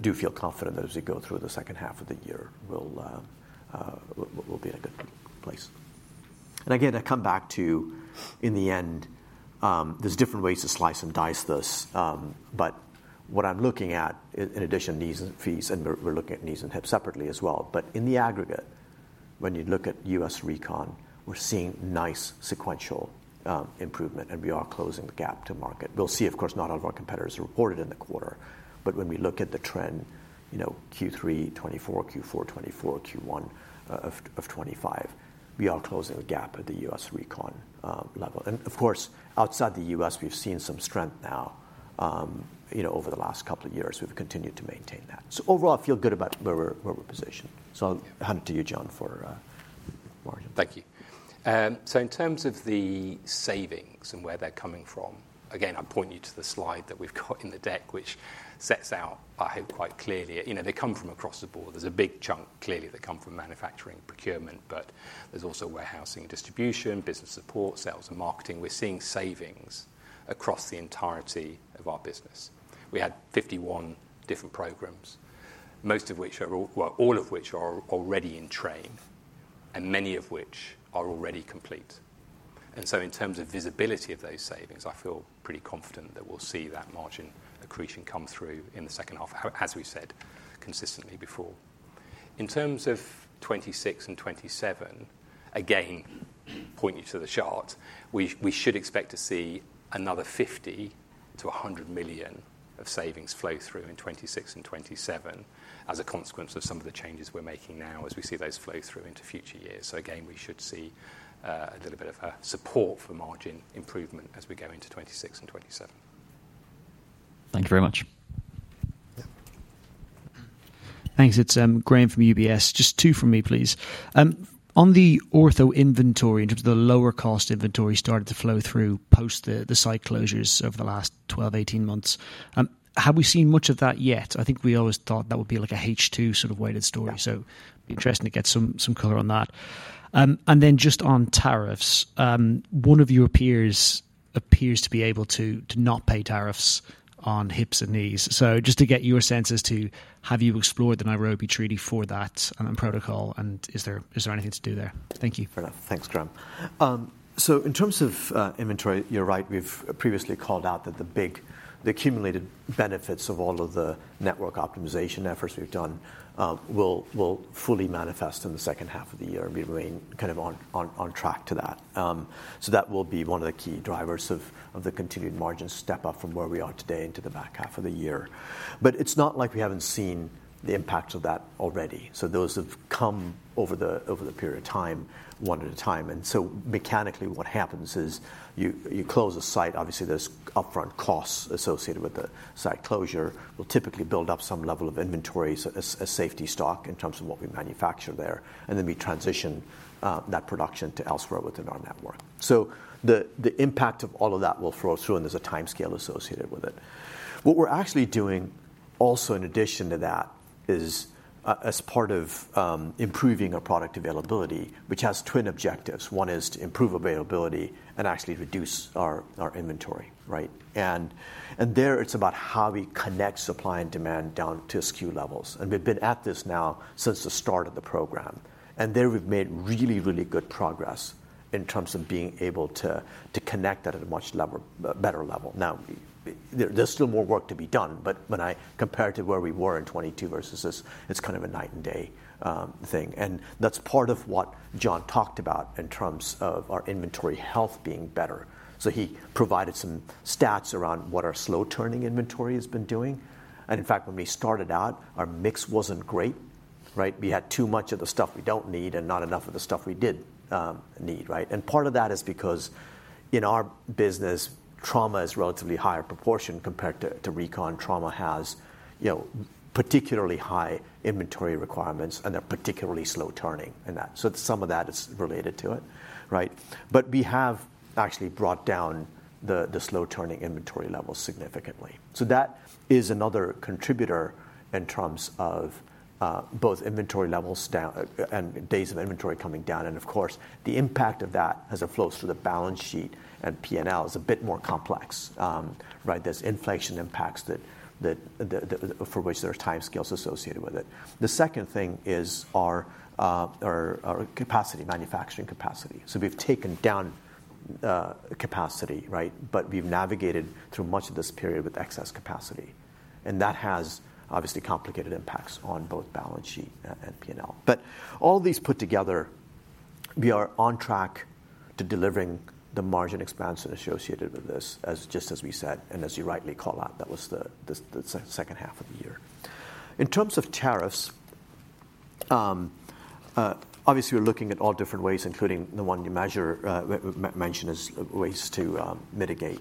do feel confident that as we go through the second half of the year, we'll be in a good place. Again, to come back to, in the end, there's different ways to slice and dice this. What I'm looking at in addition to knees and hips, and we're looking at knees and hips separately as well, but in the aggregate, when you look at U.S. recon, we're seeing nice sequential improvement and we are closing the gap to market. We'll see of course, not all of our competitors reported in the quarter, but when we look at the trend, Q3 2024, Q4 2024, Q1 of 2025, we are closing the gap at the U.S. recon level. Of course, outside the U.S., we've seen some strength now over the last couple of years. We've continued to maintain that. Overall, I feel good about where we're positioned. I'll hand it to you, John, for. Thank you. In terms of the savings and where they're coming from, again, I'll point you to the slide that we've got in the deck, which sets out, I hope, quite clearly, they come from across the board. There's a big chunk clearly that come from manufacturing, procurement, but there's also warehousing and distribution, business support, sales and marketing. We're seeing savings across the entirety of our business. We had 51 different programs, all of which are already in train and many of which are already complete. In terms of visibility of those savings, I feel pretty confident that we'll see that margin accretion come through in the second half, as we said consistently before. In terms of 2026 and 2027, again, point you to the chart. We should expect to see another $50 million-$100 million of savings flow through in 2026 and 2027, as a consequence of some of the changes we're making now as we see those flow through into future years. Again, we should see a little bit of support for margin improvement as we go into 2026 and 2027. Thank you very much. Thanks. It's Graham from UBS. Just two from me, please. On the ortho inventory, in terms of the lower cost inventory, it started to flow through post the site closures over the last 12 months, 18 months. Have we seen much of that yet? I think we always thought that would be like a H2 sort of weighted story. It'd be interesting to get some color on that. Just on tariffs, one of your peers appears to be able to not pay tariffs on hips and knees. Just to get your sense as to, have you explored the Nairobi Treaty for that protocol and is there anything to do there? Thank you. Thanks, Graham. In terms of inventory, you're right. We've previously called out that the accumulated benefits of all of the network optimization efforts we've done will fully manifest in the second half of the year, and we remain kind of on track to that. That will be one of the key drivers of the continued margin step up from where we are today into the back half of the year. It's not like we haven't seen the impact of that already. Those have come over the period of time, one at a time. Mechanically, what happens is, you close a site. Obviously, there's upfront costs associated with the site closure. We'll typically build up some level of inventory as safety stock in terms of what we manufacture there, and then we transition that production to elsewhere within our network. The impact of all of that will flow through, and there's a timescale associated with it. What we're actually doing also in addition to that, is as part of improving our product availability, which has twin objectives, one is to improve availability and actually reduce our inventory. It's about how we connect supply and demand down to SKU levels. We've been at this now since the start of the program, and there we've made really, really good progress in terms of being able to connect at a much better level. Now, there's still more work to be done, but when I compare it to where we were in 2022 versus this, it's kind of a night and day thing. That's part of what John talked about in terms of our inventory, health being better. He provided some stats around what our slow-turning inventory has been doing. In fact, when we started out, our mix wasn't great. We had too much of the stuff we don't need, and not enough of the stuff we did need. Part of that is because in our business, trauma is a relatively higher proportion compared to recon. Trauma has particularly high inventory requirements, and they're particularly slow turning. Some of that is related to it. We have actually brought down the slow-turning inventory levels significantly. That is another contributor in terms of both inventory levels and days of inventory coming down. Of course, the impact of that as it flows through the balance sheet and P&L is a bit more complex. There's inflation impacts for which there are timescales associated with it. The second thing is our manufacturing capacity. We've taken down capacity, but we've navigated through much of this period with excess capacity. That has obviously complicated impacts on both balance sheet and P&L. All these put together, we are on track to delivering the margin expansion associated with this, just as we said. As you rightly call out, that was the second half of the year. In terms of tariffs, obviously we are looking at all different ways, including the one you mentioned, is ways to mitigate.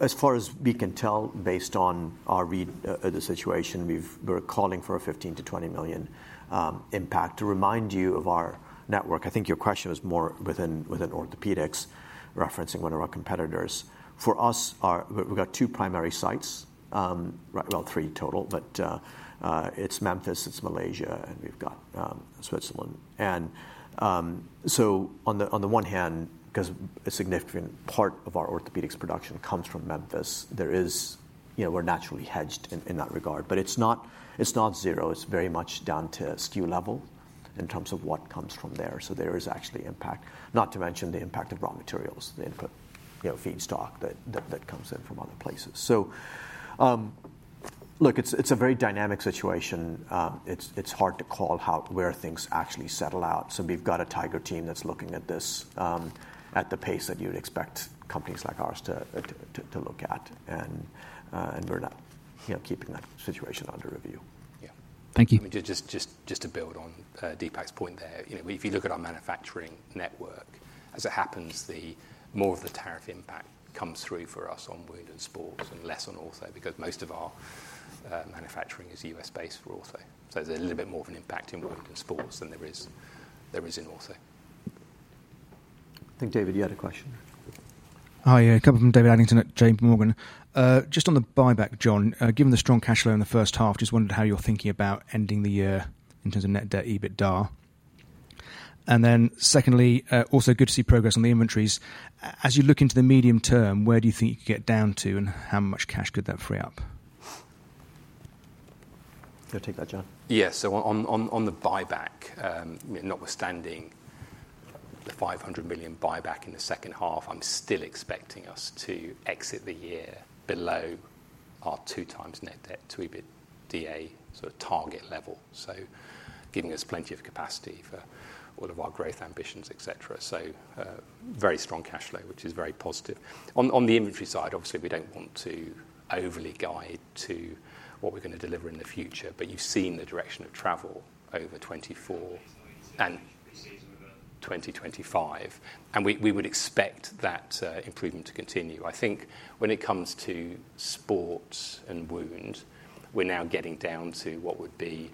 As far as we can tell, based on our read of the situation, we are calling for a $15 million-$20 million impact to remind you of our network. I think your question is more within orthopedics, referencing one of our competitors. For us, we've got two primary sites, well, three total, but it's Memphis, it's Malaysia, and we have got Switzerland. On the one hand, because a significant part of our orthopedics production comes from Memphis, we are naturally hedged in that regard, but it is not zero. It is very much down to SKU level in terms of what comes from there. There is actually impact, not to mention the impact of raw materials, the input feedstock that comes in from other places. Look, it's a very dynamic situation. It is hard to call where things actually settle out. We've got a tiger team that is looking at this, at the pace that you would expect companies like ours to look at and we are now keeping that situation under review. Yeah, thank you. Just to build on Deepak's point there, if you look at our manufacturing network as it happens, more of the tariff impact comes through for us on wound and sports and less on ortho, because most of our manufacturing is U.S.-based for ortho. There's a little bit more of an impact in wound and sports than there is in ortho. I think, David, you had a question. Oh yeah, a couple. I'm David Adlington at JPMorgan. Just on the buyback, John, given the strong cash flow in the first half, just wondered how you're thinking about ending the year in terms of net debt, EBITDA. Secondly, also good to see progress on the inventories. As you look into the medium term, where do you think you get down to and how much cash could that free up? You want to take that, John? Yeah, so on the buyback, notwithstanding the $500 million buyback in the second half, I'm still expecting us to exit the year below our 2x net debt to EBITDA sort of target level, so giving us plenty of capacity for all of our growth ambitions, etc. Very strong cash flow, which is very positive. On the inventory side, obviously we don't want to overly guide to what we're going to deliver in the future, but you've seen the direction of travel over 2024 and 2025, and we would expect that improvement to continue. I think when it comes to sports and wound, we're now getting down to what would be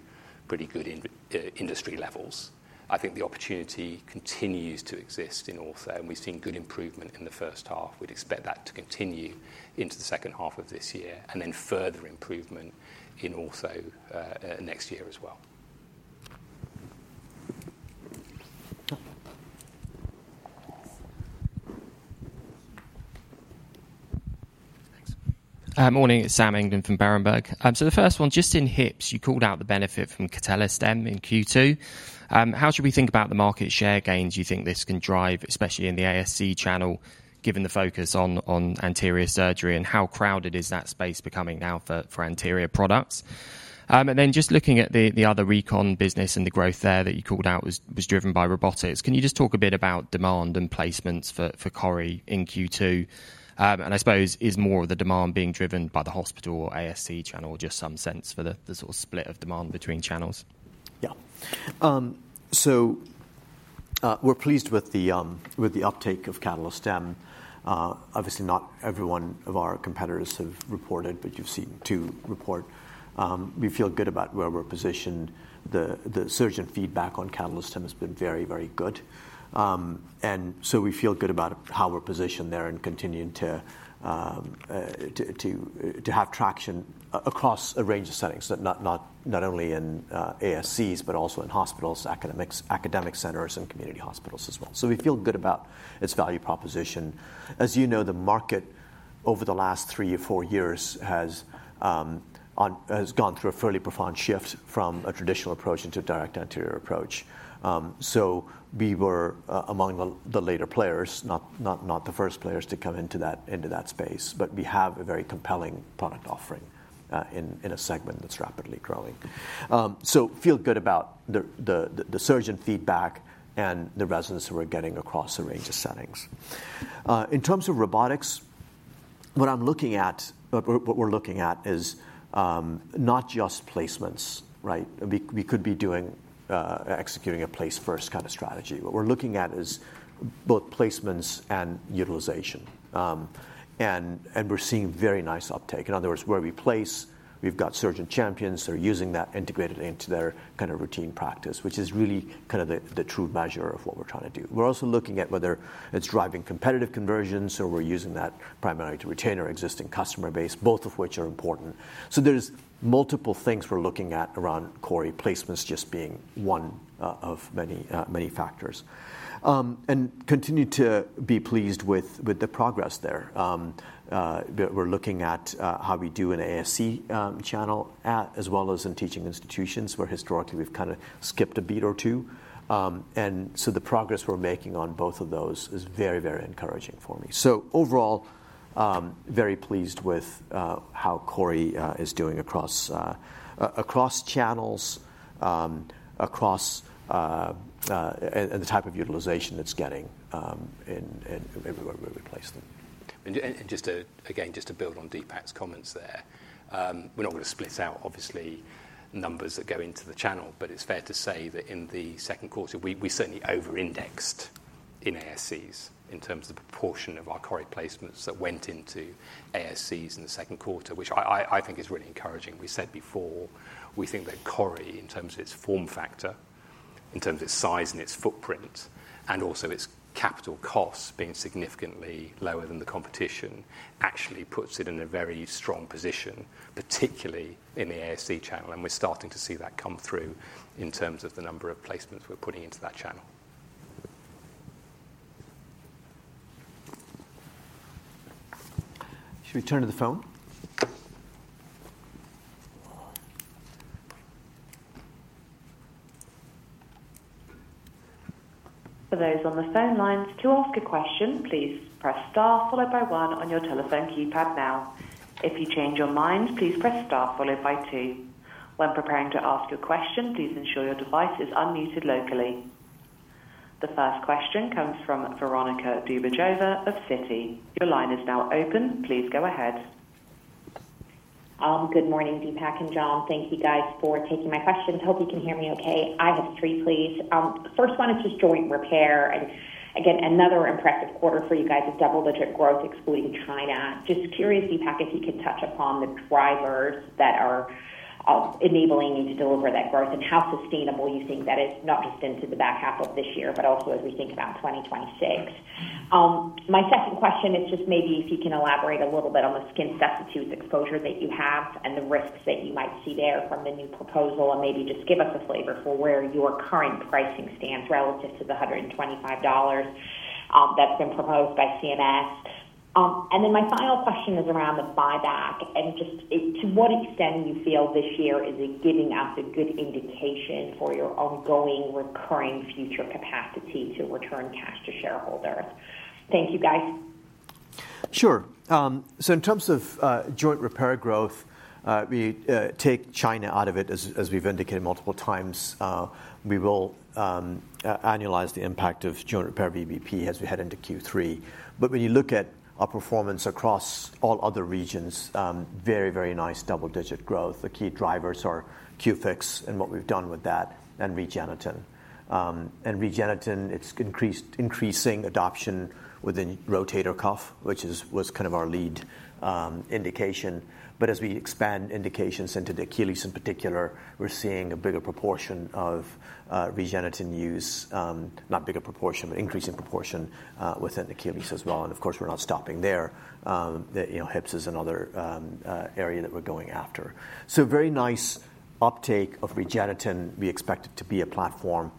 pretty good industry levels. I think the opportunity continues to exist in Ortho, and we've seen good improvement in the first half. We'd expect that to continue into the second half of this year, and then further improvement in ortho next year as well. Sam. Morning, it's Sam England from Berenberg. The first one, just in hips, you called out the benefit from CATALYSTEM in Q2. How should we think about the market share gains you think this can drive, especially in the ASC channel, given the focus on anterior surgery and how crowded is that space becoming now for anterior products? Just looking at the other recon business and the growth there that you called out was driven by robotics, can you just talk a bit about demand and placements for CORI in Q2? I suppose it's more of the demand being driven by the hospital or ASC channel, just some sense for the sort of split of demand between channels. Yeah, so we're pleased with the uptake of CATALYSTEM. Obviously, not every one of our competitors have reported, but you've seen two report. We feel good about where we're positioned. The surgeon feedback on CATALYSTEM has been very, very good. We feel good about how we're positioned there and continuing to have traction across a range of settings, so not only in ASCs, but also in hospitals, academic centers, and community hospitals as well. We feel good about its value proposition. As you know, the market over the last three or four years has gone through a fairly profound shift from a traditional approach into a direct anterior. We were among the later players, not the first players to come into that space, but we have a very compelling product offering in a segment that's rapidly growing. We feel good about the surgeon feedback, and the resonance that we're getting across a range of settings. In terms of robotics, what we're looking at is not just placements, right? We could be executing a place-first kind of strategy. What we're looking at is both placements and utilization, and we're seeing very nice uptake. In other words, where we place, we've got surgeon champions that are using that integrated into their kind of routine practice, which is really kind of the true measure of what we're trying to do. We're also looking at whether it's driving competitive conversions or we're using that primarily to retain our existing customer base, both of which are important. There are multiple things we're looking at around CORI placements just being one of many factors, and continue to be pleased with the progress there. We're looking at how we do in ASC channel, as well as in teaching institutions where historically we've kind of skipped a beat or two. The progress we're making on both of those is very, very encouraging for me. Overall, very pleased with how CORI is doing across channels, and the type of utilization it's getting everywhere where we place them. Again, just to build on Deepak's comments there, we're not going to split out obviously numbers that go into the channel, but it's fair to say that in the second quarter, we certainly over-indexed in ASCs in terms of the proportion of our CORI placements that went into ASCs in the second quarter, which I think is really encouraging. We said before, we think that CORI, in terms of its form factor, in terms of its size and its footprint, and also its capital costs being significantly lower than the competition, actually puts it in a very strong position particularly in the ASC channel. We're starting to see that come through in terms of the number of placements we're putting into that channel. Should we turn to the phone? For those on the phone lines, to ask a question, please press star followed by one on your telephone keypad now. If you change your mind, please press star followed by two. When preparing to ask your question, please ensure your device is unmuted locally. The first question comes from Veronika Dubajova of Citi. Your line is now open. Please go ahead. Good morning, Deepak and John. Thank you guys for taking my questions. Hope you can hear me okay. I have three, please. The first one is just joint repair. Again, another impressive quarter for you guys, is double-digit growth excluding China. Just curious, Deepak, if you could touch upon the drivers that are enabling you to deliver that growth and how sustainable you think that is, not just into the back half of this year, but also as we think about 2026. My second question is just, maybe if you can elaborate a little bit on the skin substitutes exposure that you have and the risks that you might see there from the new proposal, and maybe just give us a flavor for where your current pricing stands relative to the $125 that's been proposed by CMS. My final question is around the buyback and just to what extent you feel this year, is it giving us a good indication for your ongoing recurring future capacity to return cash to shareholders? Thank you, guys. Sure. In terms of joint repair growth, we take China out of it, as we've indicated multiple times. We will annualize the impact of joint repair VBP as we head into Q3. When you look at our performance across all other regions, very, very nice double-digit growth. The key drivers are Q-FIX, and what we've done with that and REGENETEN. It's increasing adoption within rotator cuff, which was kind of our lead indication. As we expand indications into the Achilles in particular, we're seeing an increase in proportion of REGENETEN use within Achilles as well. Of course, we're not stopping there. Hips is another area that we're going after. Very nice uptake of REGENETEN. We expect it to be a platform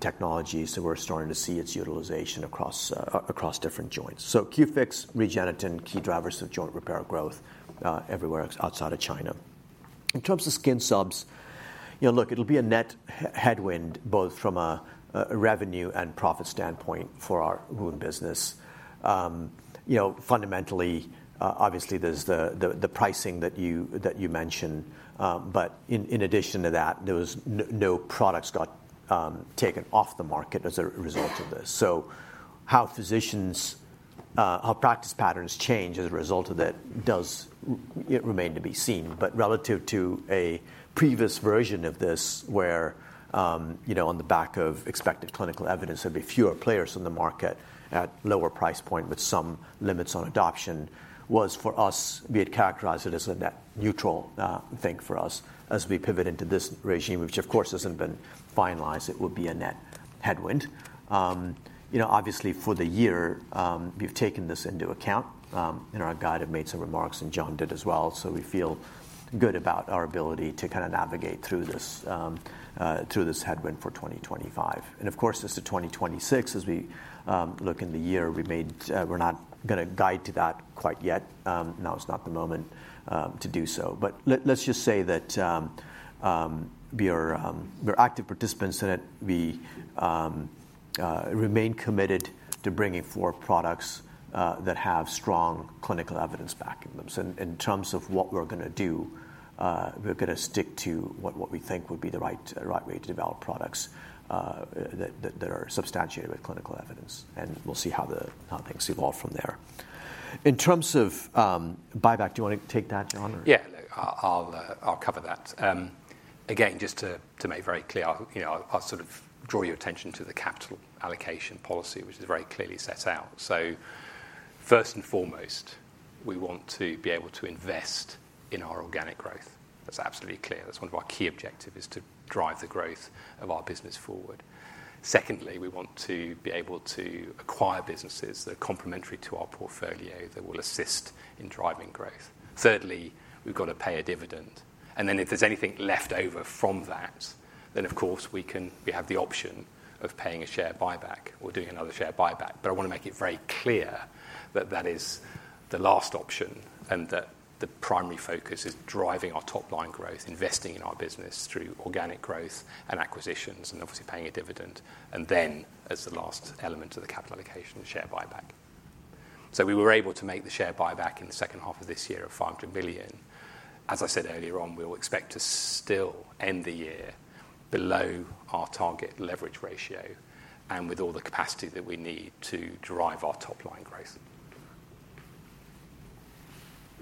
technology, so we're starting to see its utilization across different joints. Q-FIX, REGENETEN are key drivers of joint repair growth everywhere outside of China. In terms of skin subs, look, it'll be a net headwind both from a revenue and profit standpoint for our wound business fundamentally. Obviously, there's the pricing that you mentioned. In addition to that, no products got taken off the market as a result of this. How practice patterns change as a result of that does remain to be seen. Relative to a previous version of this, where on the back of expected clinical evidence, there would be fewer players in the market at a lower price point with some limits on adoption, whereas for us, we characterized it as a net neutral thing for us as we pivot into this regime, which of course hasn't been finalized. It would be a net headwind. Obviously, for the year, we've taken this into account in our guide, have made some remarks and John did as well. We feel good about our ability to navigate through this headwind for 2025. Of course, just to 2026, as we look in the year, we're not going to guide to that quite yet. Now is not the moment to do so. Let's just say that we're active participants in it. We remain committed to bringing forward products that have strong clinical evidence backing them. In terms of what we're going to do, we're going to stick to what we think would be the right way to develop products that are substantiated with clinical evidence, and we'll see how topics evolve from there. In terms of buyback, do you want to take that, John? Yeah, I'll cover that. Again, just to make it very clear, I'll sort of draw your attention to the capital allocation policy, which is very clearly set out. First and foremost, we want to be able to invest in our organic growth. That's absolutely clear. That's one of our key objectives, is to drive the growth of our business forward. Secondly, we want to be able to acquire businesses that are complementary to our portfolio, that will assist in driving growth. Thirdly, we've got to pay a dividend, and if there's anything left over from that, then of course we have the option of paying a share buyback or doing another share buyback. I want to make it very clear that that is the last option and that the primary focus is driving our top line growth, investing in our business through organic growth and acquisitions, and obviously paying a dividend, and then as the last element of the capital allocation, share buyback. We were able to make the share buyback in the second half of this year of $500 million. As I said earlier on, we will expect to still end the year below our target leverage ratio, and with all the capacity that we need to drive our top-line growth.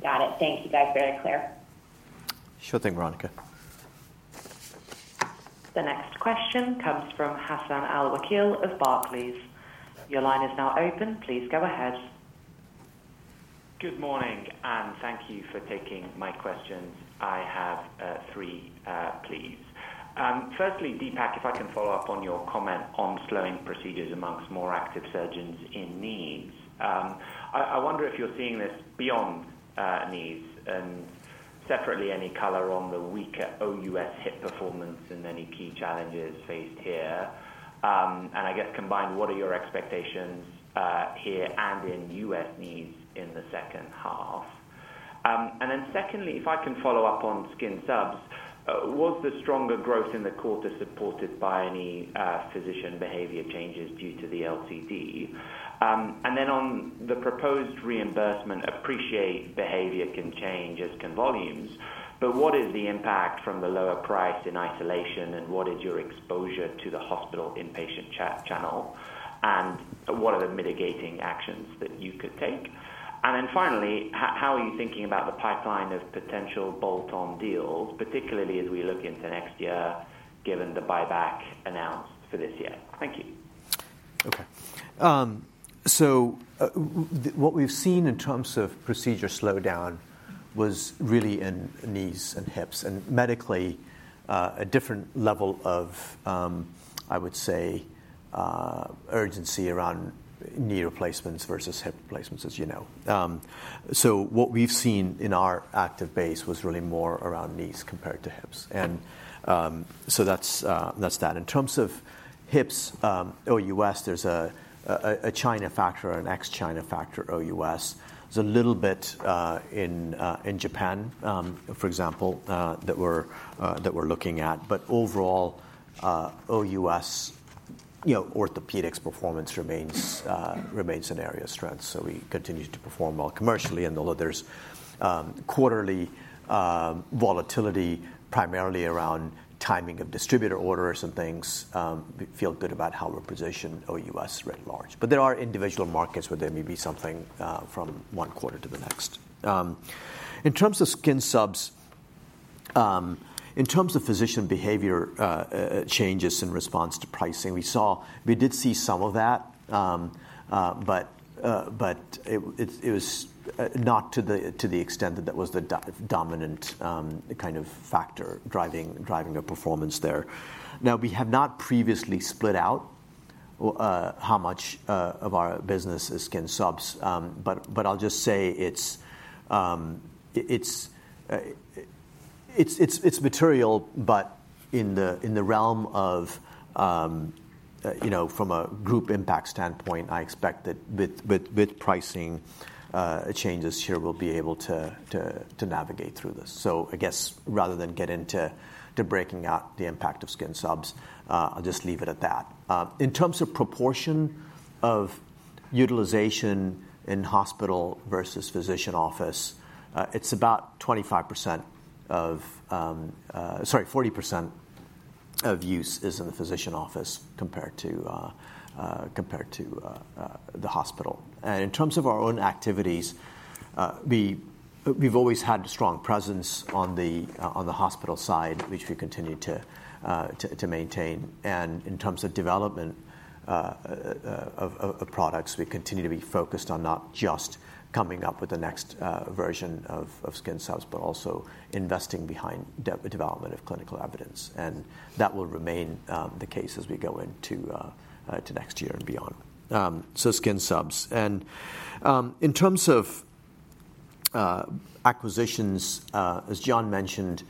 Got it. Thank you. That's very clear. Sure thing, Veronika. The next question comes from Hassan Al-Wakeel of Barclays. Your line is now open. Please go ahead. Good morning, and thank you for taking my question. I have three, please. Firstly, Deepak, if I can follow up on your comment on slowing procedures amongst more active surgeons in knees, I wonder if you're seeing this beyond knees and separately, any color on the weaker OUS hip performance and any key challenges faced here. I guess combined, what are your expectations here and in U.S. knees in the second half. Secondly, if I can follow up on skin subs, was the stronger growth in the quarter supported by any physician behavior changes due to the LTD. On the proposed reimbursement, appreciate behavior can change as can volumes. What is the impact from the lower price in isolation? What is your exposure to the hospital inpatient channel, and what are the mitigating actions that you could take? Finally, how are you thinking about the pipeline of potential bolt-on deals, particularly as we look into next year, given the buyback announced for this year? Thank you. Okay, so what we've seen in terms of procedure slowdown was really in knees and hips, and medically a different level of, I would say urgency around knee replacements versus hip replacements, as you know. What we've seen in our active base was really more around knees compared to hips, so that's that. In terms of hips OUS, there's a China factor, an ex-China factor, OUS. It's a little bit in Japan, for example, that we're looking at. Overall, OUS orthopedics performance remains an area of strength. We continue to perform well commercially, and although there's quarterly volatility primarily around timing of distributor orders and things, we feel good about how we positioned OUS writ large. There are individual markets where there may be something from one quarter to the next. In terms of physician behavior changes in response to pricing, we did see some of that, but not to the extent that it was the dominant kind of factor driving the performance there. Now, we have not previously split out how much of our business is skin subs, but I'll just say it's material. In the realm of, you know, from a group impact standpoint, I expect that with pricing changes here, we'll be able to navigate through this. I guess, rather than get into breaking out the impact of skin subs, I'll just leave it at that. In terms of proportion of utilization in hospital versus physician office, it's about 40% of use is in the physician office compared to the hospital. In terms of our own activities, we've always had a strong presence on the hospital side, which we continue to maintain. In terms of development of products, we continue to be focused on not just coming up with the next version of skin subs, but also investing behind development of clinical evidence. That will remain the case as we go into next year and beyond, so skin subs. In terms of acquisitions, as John mentioned,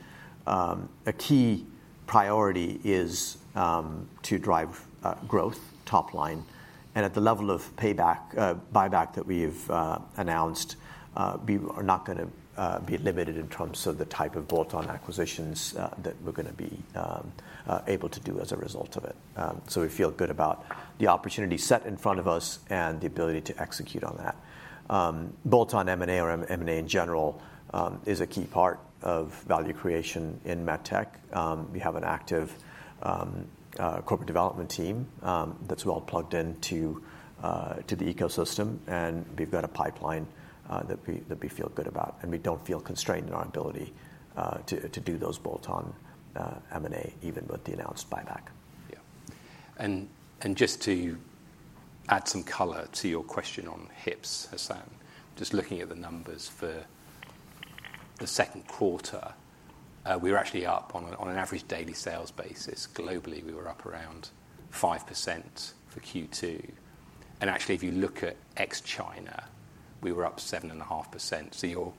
a key priority is to drive growth top line. At the level of payback buyback that we've announced, we are not going to be limited in terms of the type of bolt-on acquisitions that we're going to be able to do as a result of it. We feel good about the opportunity set in front of us and the ability to execute on that. Bolt-on M&A or M&A in general is a key part of value creation in Medtech. We have an active corporate development team that's well plugged into the ecosystem, and we've got a pipeline that we feel good about and we don't feel constrained in our ability to do those bolt-on M&A, even with the announced buyback. Yeah. Just to add some color to your question on hips, Hassan, just looking at the numbers for the second quarter, we were actually up on an average daily sales basis. Globally, we were up around 5% for Q2. Actually, if you look at ex-China, we were up 7.5%.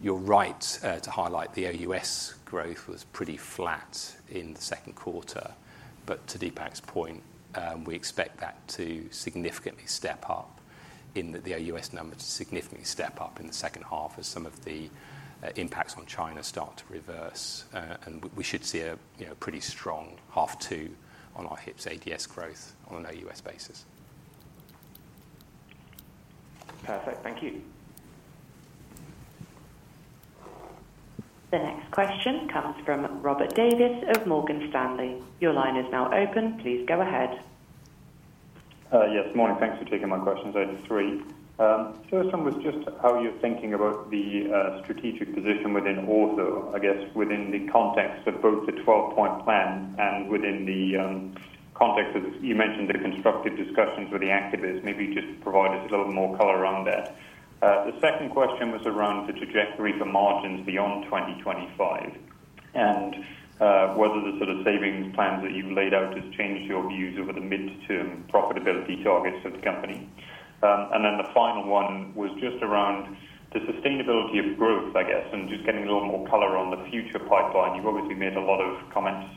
You're right to highlight, the OUS growth was pretty flat in the second quarter. To Deepak's point, we expect that to significantly step up, in that the OUS number should significantly step up in the second half as some of the impacts on China start to reverse, and we should see a pretty strong half two on our hips ADS growth on an OUS basis. Perfect. Thank you. The next question comes from Robert Davies of Morgan Stanley. Your line is now open. Please go ahead. Yes, morning. Thanks for taking my questions. I have three. First one was just how you're thinking about the strategic position within ortho, I guess within the context of both the 12-point plan and within the context of this. You mentioned the constructive discussions with the activists. Maybe just provide us a little more color on that. The second question was around the trajectory for margins beyond 2025, and whether the sort of savings plan that you've laid out has changed your views over the mid-term profitability targets of the company. The final one was just around the sustainability of growth I guess, and just getting a little more color on the future pipeline. You've obviously made a lot of comments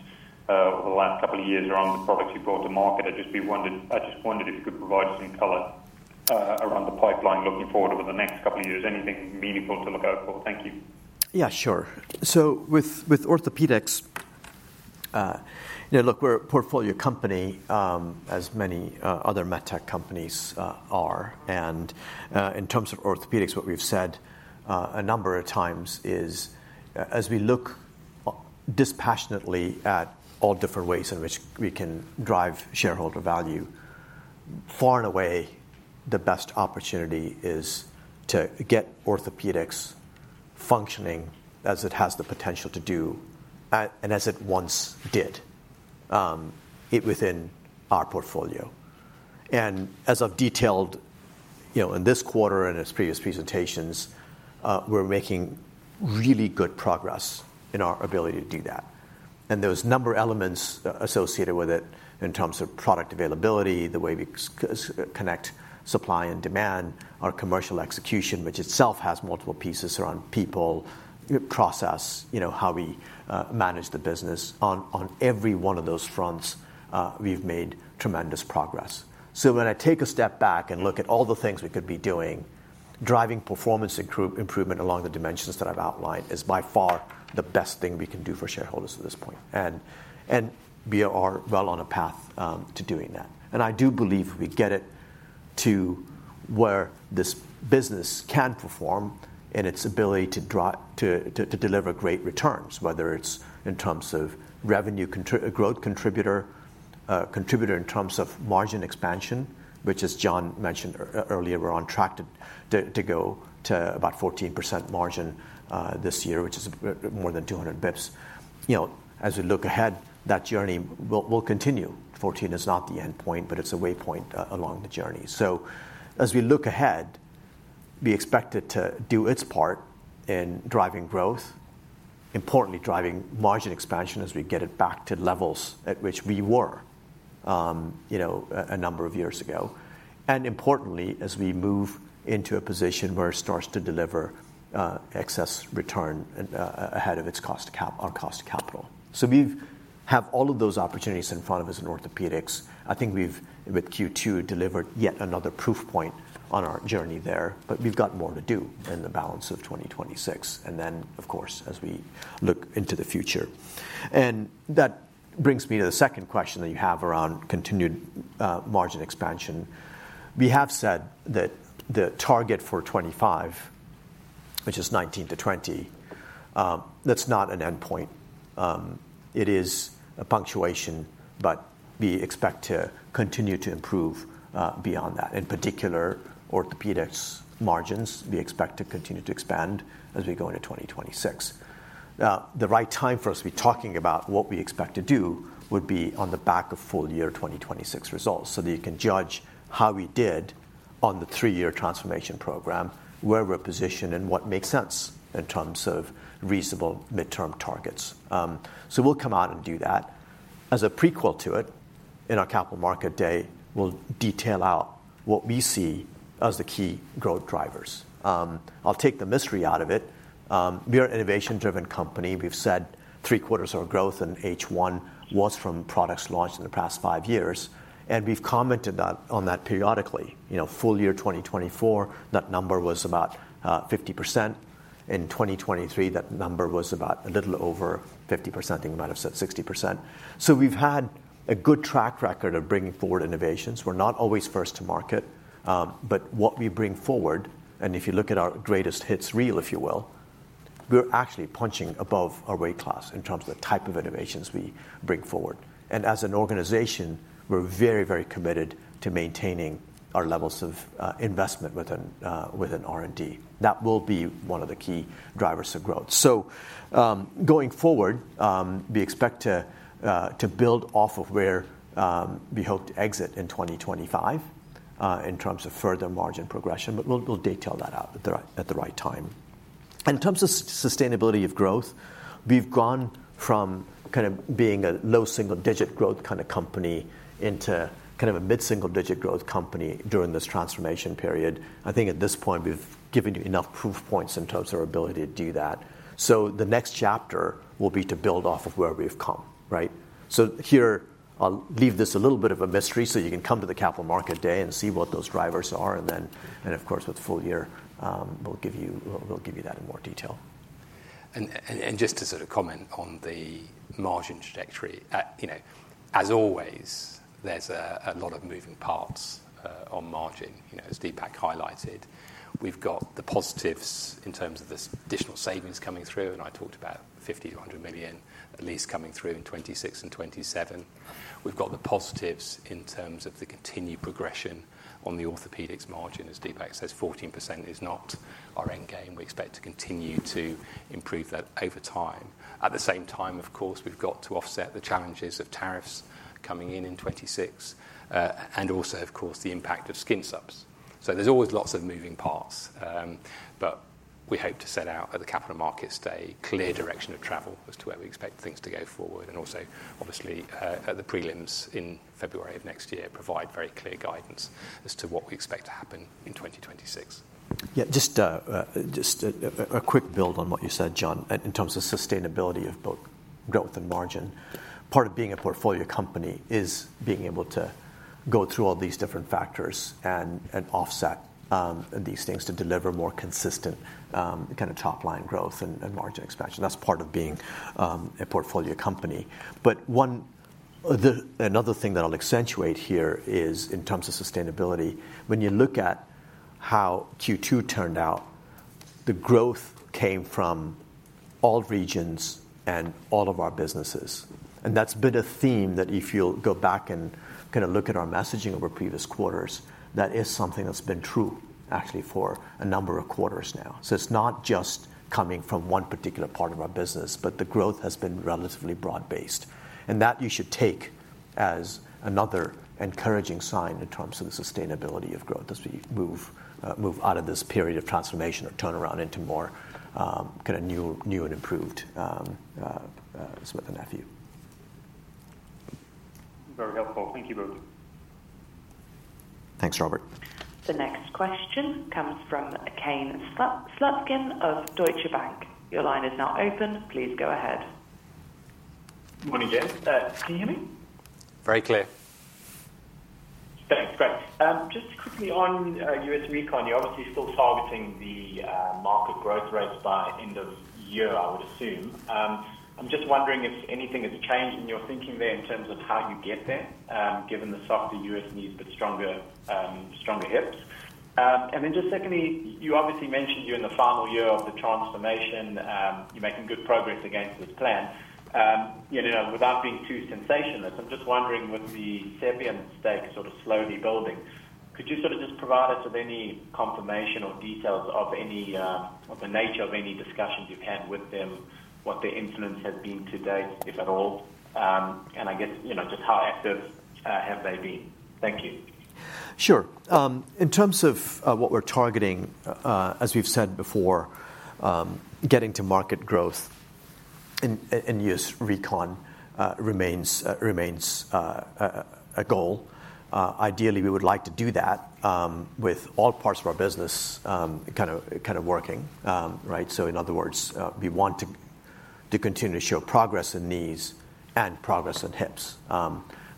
over the last couple of years around the products you brought to market. I just wondered if you could provide some color around the pipeline looking forward over the next couple of years. Anything meaningful to look out for. Thank you. Yeah, sure. With orthopedics, look, we're a portfolio company as many other Medtech companies are. In terms of orthopedics, what we've said a number of times is, as we look dispassionately at all different ways in which we can drive shareholder value, far and away, the best opportunity is to get orthopedics functioning as it has the potential to do and as it once did within our portfolio. As I've detailed in this quarter and its previous presentations, we're making really good progress in our ability to do that. There are a number of elements associated with it in terms of product availability, the way we connect supply and demand, our commercial execution, which itself has multiple pieces around people, process, how we manage the business. On every one of those fronts, we've made tremendous progress. When I take a step back and look at all the things we could be doing, driving performance improvement along the dimensions that I've outlined is by far the best thing we can do for shareholders at this point and we are well on a path to doing that. I do believe we'll get it to where this business can perform in its ability to deliver great returns, whether it's in terms of revenue growth contributor in terms of margin expansion, which as John mentioned earlier, we're on track to go to about 14% margin this year, which is more than 200 bps. As we look ahead, that journey will continue. 14% is not the end-point, but it's a [waypoint] along the journey. As we look ahead, we expect it to do its part in driving growth, importantly driving margin expansion as we get it back to levels at which we were a number of years ago, and importantly, as we move into a position where it starts to deliver excess return ahead of its cost of capital. We have all of those opportunities in front of us in orthopedics. I think with Q2, we delivered yet another proof point on our journey there. We've got more to do in the balance of 2026, and of course then as we look into the future. That brings me to the second question that you have around continued margin expansion. We have said that the target for 2025, which is 19%-20%, that's not an endpoint, it is a punctuation. We expect to continue to improve beyond that, in particular orthopedics margins. We expect to continue to expand as we go into 2026. Now, the right time for us to be talking about what we expect to would be on the back of full year 2026 results, so that you can judge how we did on the three-year transformation program, where we're positioned and what makes sense in terms of reasonable midterm targets. We'll come out and do that. As a prequel to it, in our capital markets day, we'll detail out what we see as the key growth drivers. I'll take the mystery out of it. We are an innovation-driven company. We've said, 3/4 of our growth in H1 was from products launched in the five years and we've commented on that periodically. Full year 2024, that number was about 50%. In 2023, that number was about a little over 50%. They might have said 60%. We've had a good track record of bringing forward innovations. We're not always first to market, but what we bring forward, and if you look at our greatest hits reel, if you will, we're actually punching above our weight class in terms of the type of innovations we bring forward. As an organization, we're very, very committed to maintaining our levels of investment within R&D. That will be one of the key drivers of growth. Going forward, we expect to build off of where we hope to exit in 2025 in terms of further margin progression. We'll detail that out at the right time. In terms of sustainability of growth, we've gone from kind of being a low-single-digit growth kind of company into kind of a mid-single-digit growth company during this transformation period. I think at this point, we've given you enough proof points in terms of our ability to do that. The next chapter will be to build off of where we've come. Here, I'll leave this a little bit of a mystery, so you can come to the capital markets day and see what those drivers are. Of course, with full year, we'll give you that in more detail. Just to comment on the margin trajectory, as always, there's a lot of moving parts on margin, as Deepak highlighted. We've got the positives in terms of this additional savings coming through, and I talked about $50 million-$100 million at least coming through in 2026 and 2027. We've got the positives in terms of the continued progression on the orthopedics margin. As Deepak says, 14% is not our end game. We expect to continue to improve that over time. At the same time, of course we've got to offset the challenges of tariffs coming in in 2026 and also of course the impact of skin subs. There's always lots of moving parts. We hope to set out at the capital markets day, clear direction of travel as to where we expect things to go forward and also obviously, the prelims in February of next year, provide very clear guidance as to what we expect to happen in 2026. Yeah, just a quick build on what you said, John. In terms of sustainability of both growth and margin, part of being a portfolio company is being able to go through all these different factors and offset these things, to deliver more consistent kind of top-line growth and margin expansion as part of being a portfolio company. Another thing that I'll accentuate here is in terms of sustainability, when you look at how Q2 turned out, the growth came from all regions and all of our businesse. That's been a theme, that if you'll go back and kind of look at our messaging over previous quarters, that is something that's been true actually for a number of quarters now. It's not just coming from one particular part of our business, but the growth has been relatively broad-based. That you should take as another encouraging sign in terms of the sustainability of growth, as we move out of this period of transformation or turnaround into more kind of new and improved Smith & Nephew. Very helpful. Thank you both. Thanks, Robert. The next question comes from Kane Slutzkin of Deutsche Bank. Your line is now open. Please go ahead. Morning, John. Can you hear me? Very clear. That's great. Just quickly on U.S. recon, you're obviously still targeting the market growth rates by end of year, I would assume. I'm just wondering if anything has changed in your thinking there in terms of how you get there, given the softer U.S. knee, but stronger hips. Secondly, you obviously mentioned you're in the final year of the transformation. You're making good progress against this plan. Without being too sensationalist, I'm just wondering, with the Cevian stake sort of slowly building, could you provide us with any confirmation or details of the nature of any discussions you've had with them, what their influence has been to date, if at all and I guess, just how active have they been? Sure. In terms of what we're targeting, as we've said before, getting to market growth in U.S. recon remains a goal. Ideally, we would like to do that with all parts of our business kind of working, right? In other words, we want to continue to show progress in knees and progress in hips,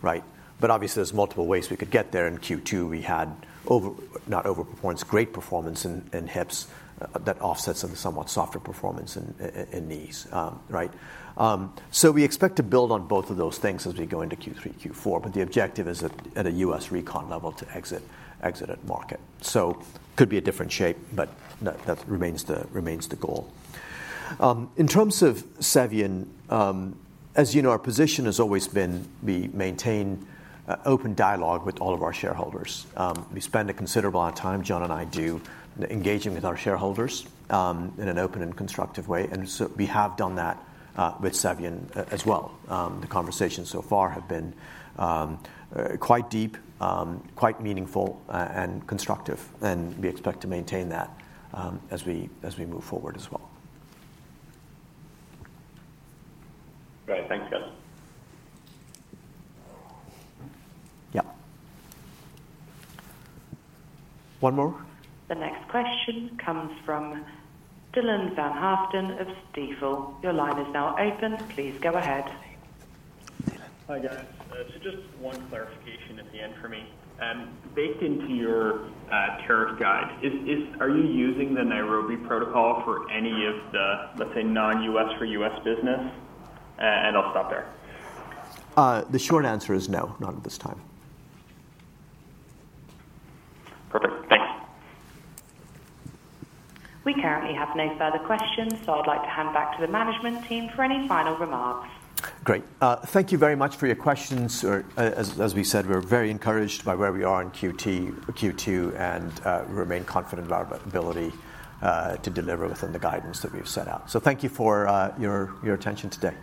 right? Obviously, there's multiple ways we could get there. In Q2, we great performance in hips that offsets somewhat softer performance in knees. We expect to build on both of those things as we go into Q3, Q4. The objective is at a U.S. recon level to exit at market. It could be a different shape, but that remains the goal. In terms of Cevian, as you know, our position has always been, we maintain open dialogue with all of our shareholders. We spend a considerable amount of time, John and I do, engaging with our shareholders in an open and constructive way. We have done that with Cevian as well. The conversations so far have been quite deep, quite meaningful and constructive, and we expect to maintain that as we move forward as well. Great. Thanks, guys. Yeah, one more. The next question comes from Dylan Haaften of Stifel. Your line is now open. Please go ahead. Hi, guys. Just one clarification at the end for me. Baked into your tariff guide, are you using the Nairobi protocol for any of the, let's say, non-U.S. or U.S. business? I'll stop there. The short answer is no, not at this time. Perfect, thanks. We currently have no further questions, so I'd like to hand back to the management team for any final remarks. Great. Thank you very much for your questions. As we said, we're very encouraged by where we are in Q2, and remain confident of our ability to deliver within the guidance that we've set out. Thank you for your attention today.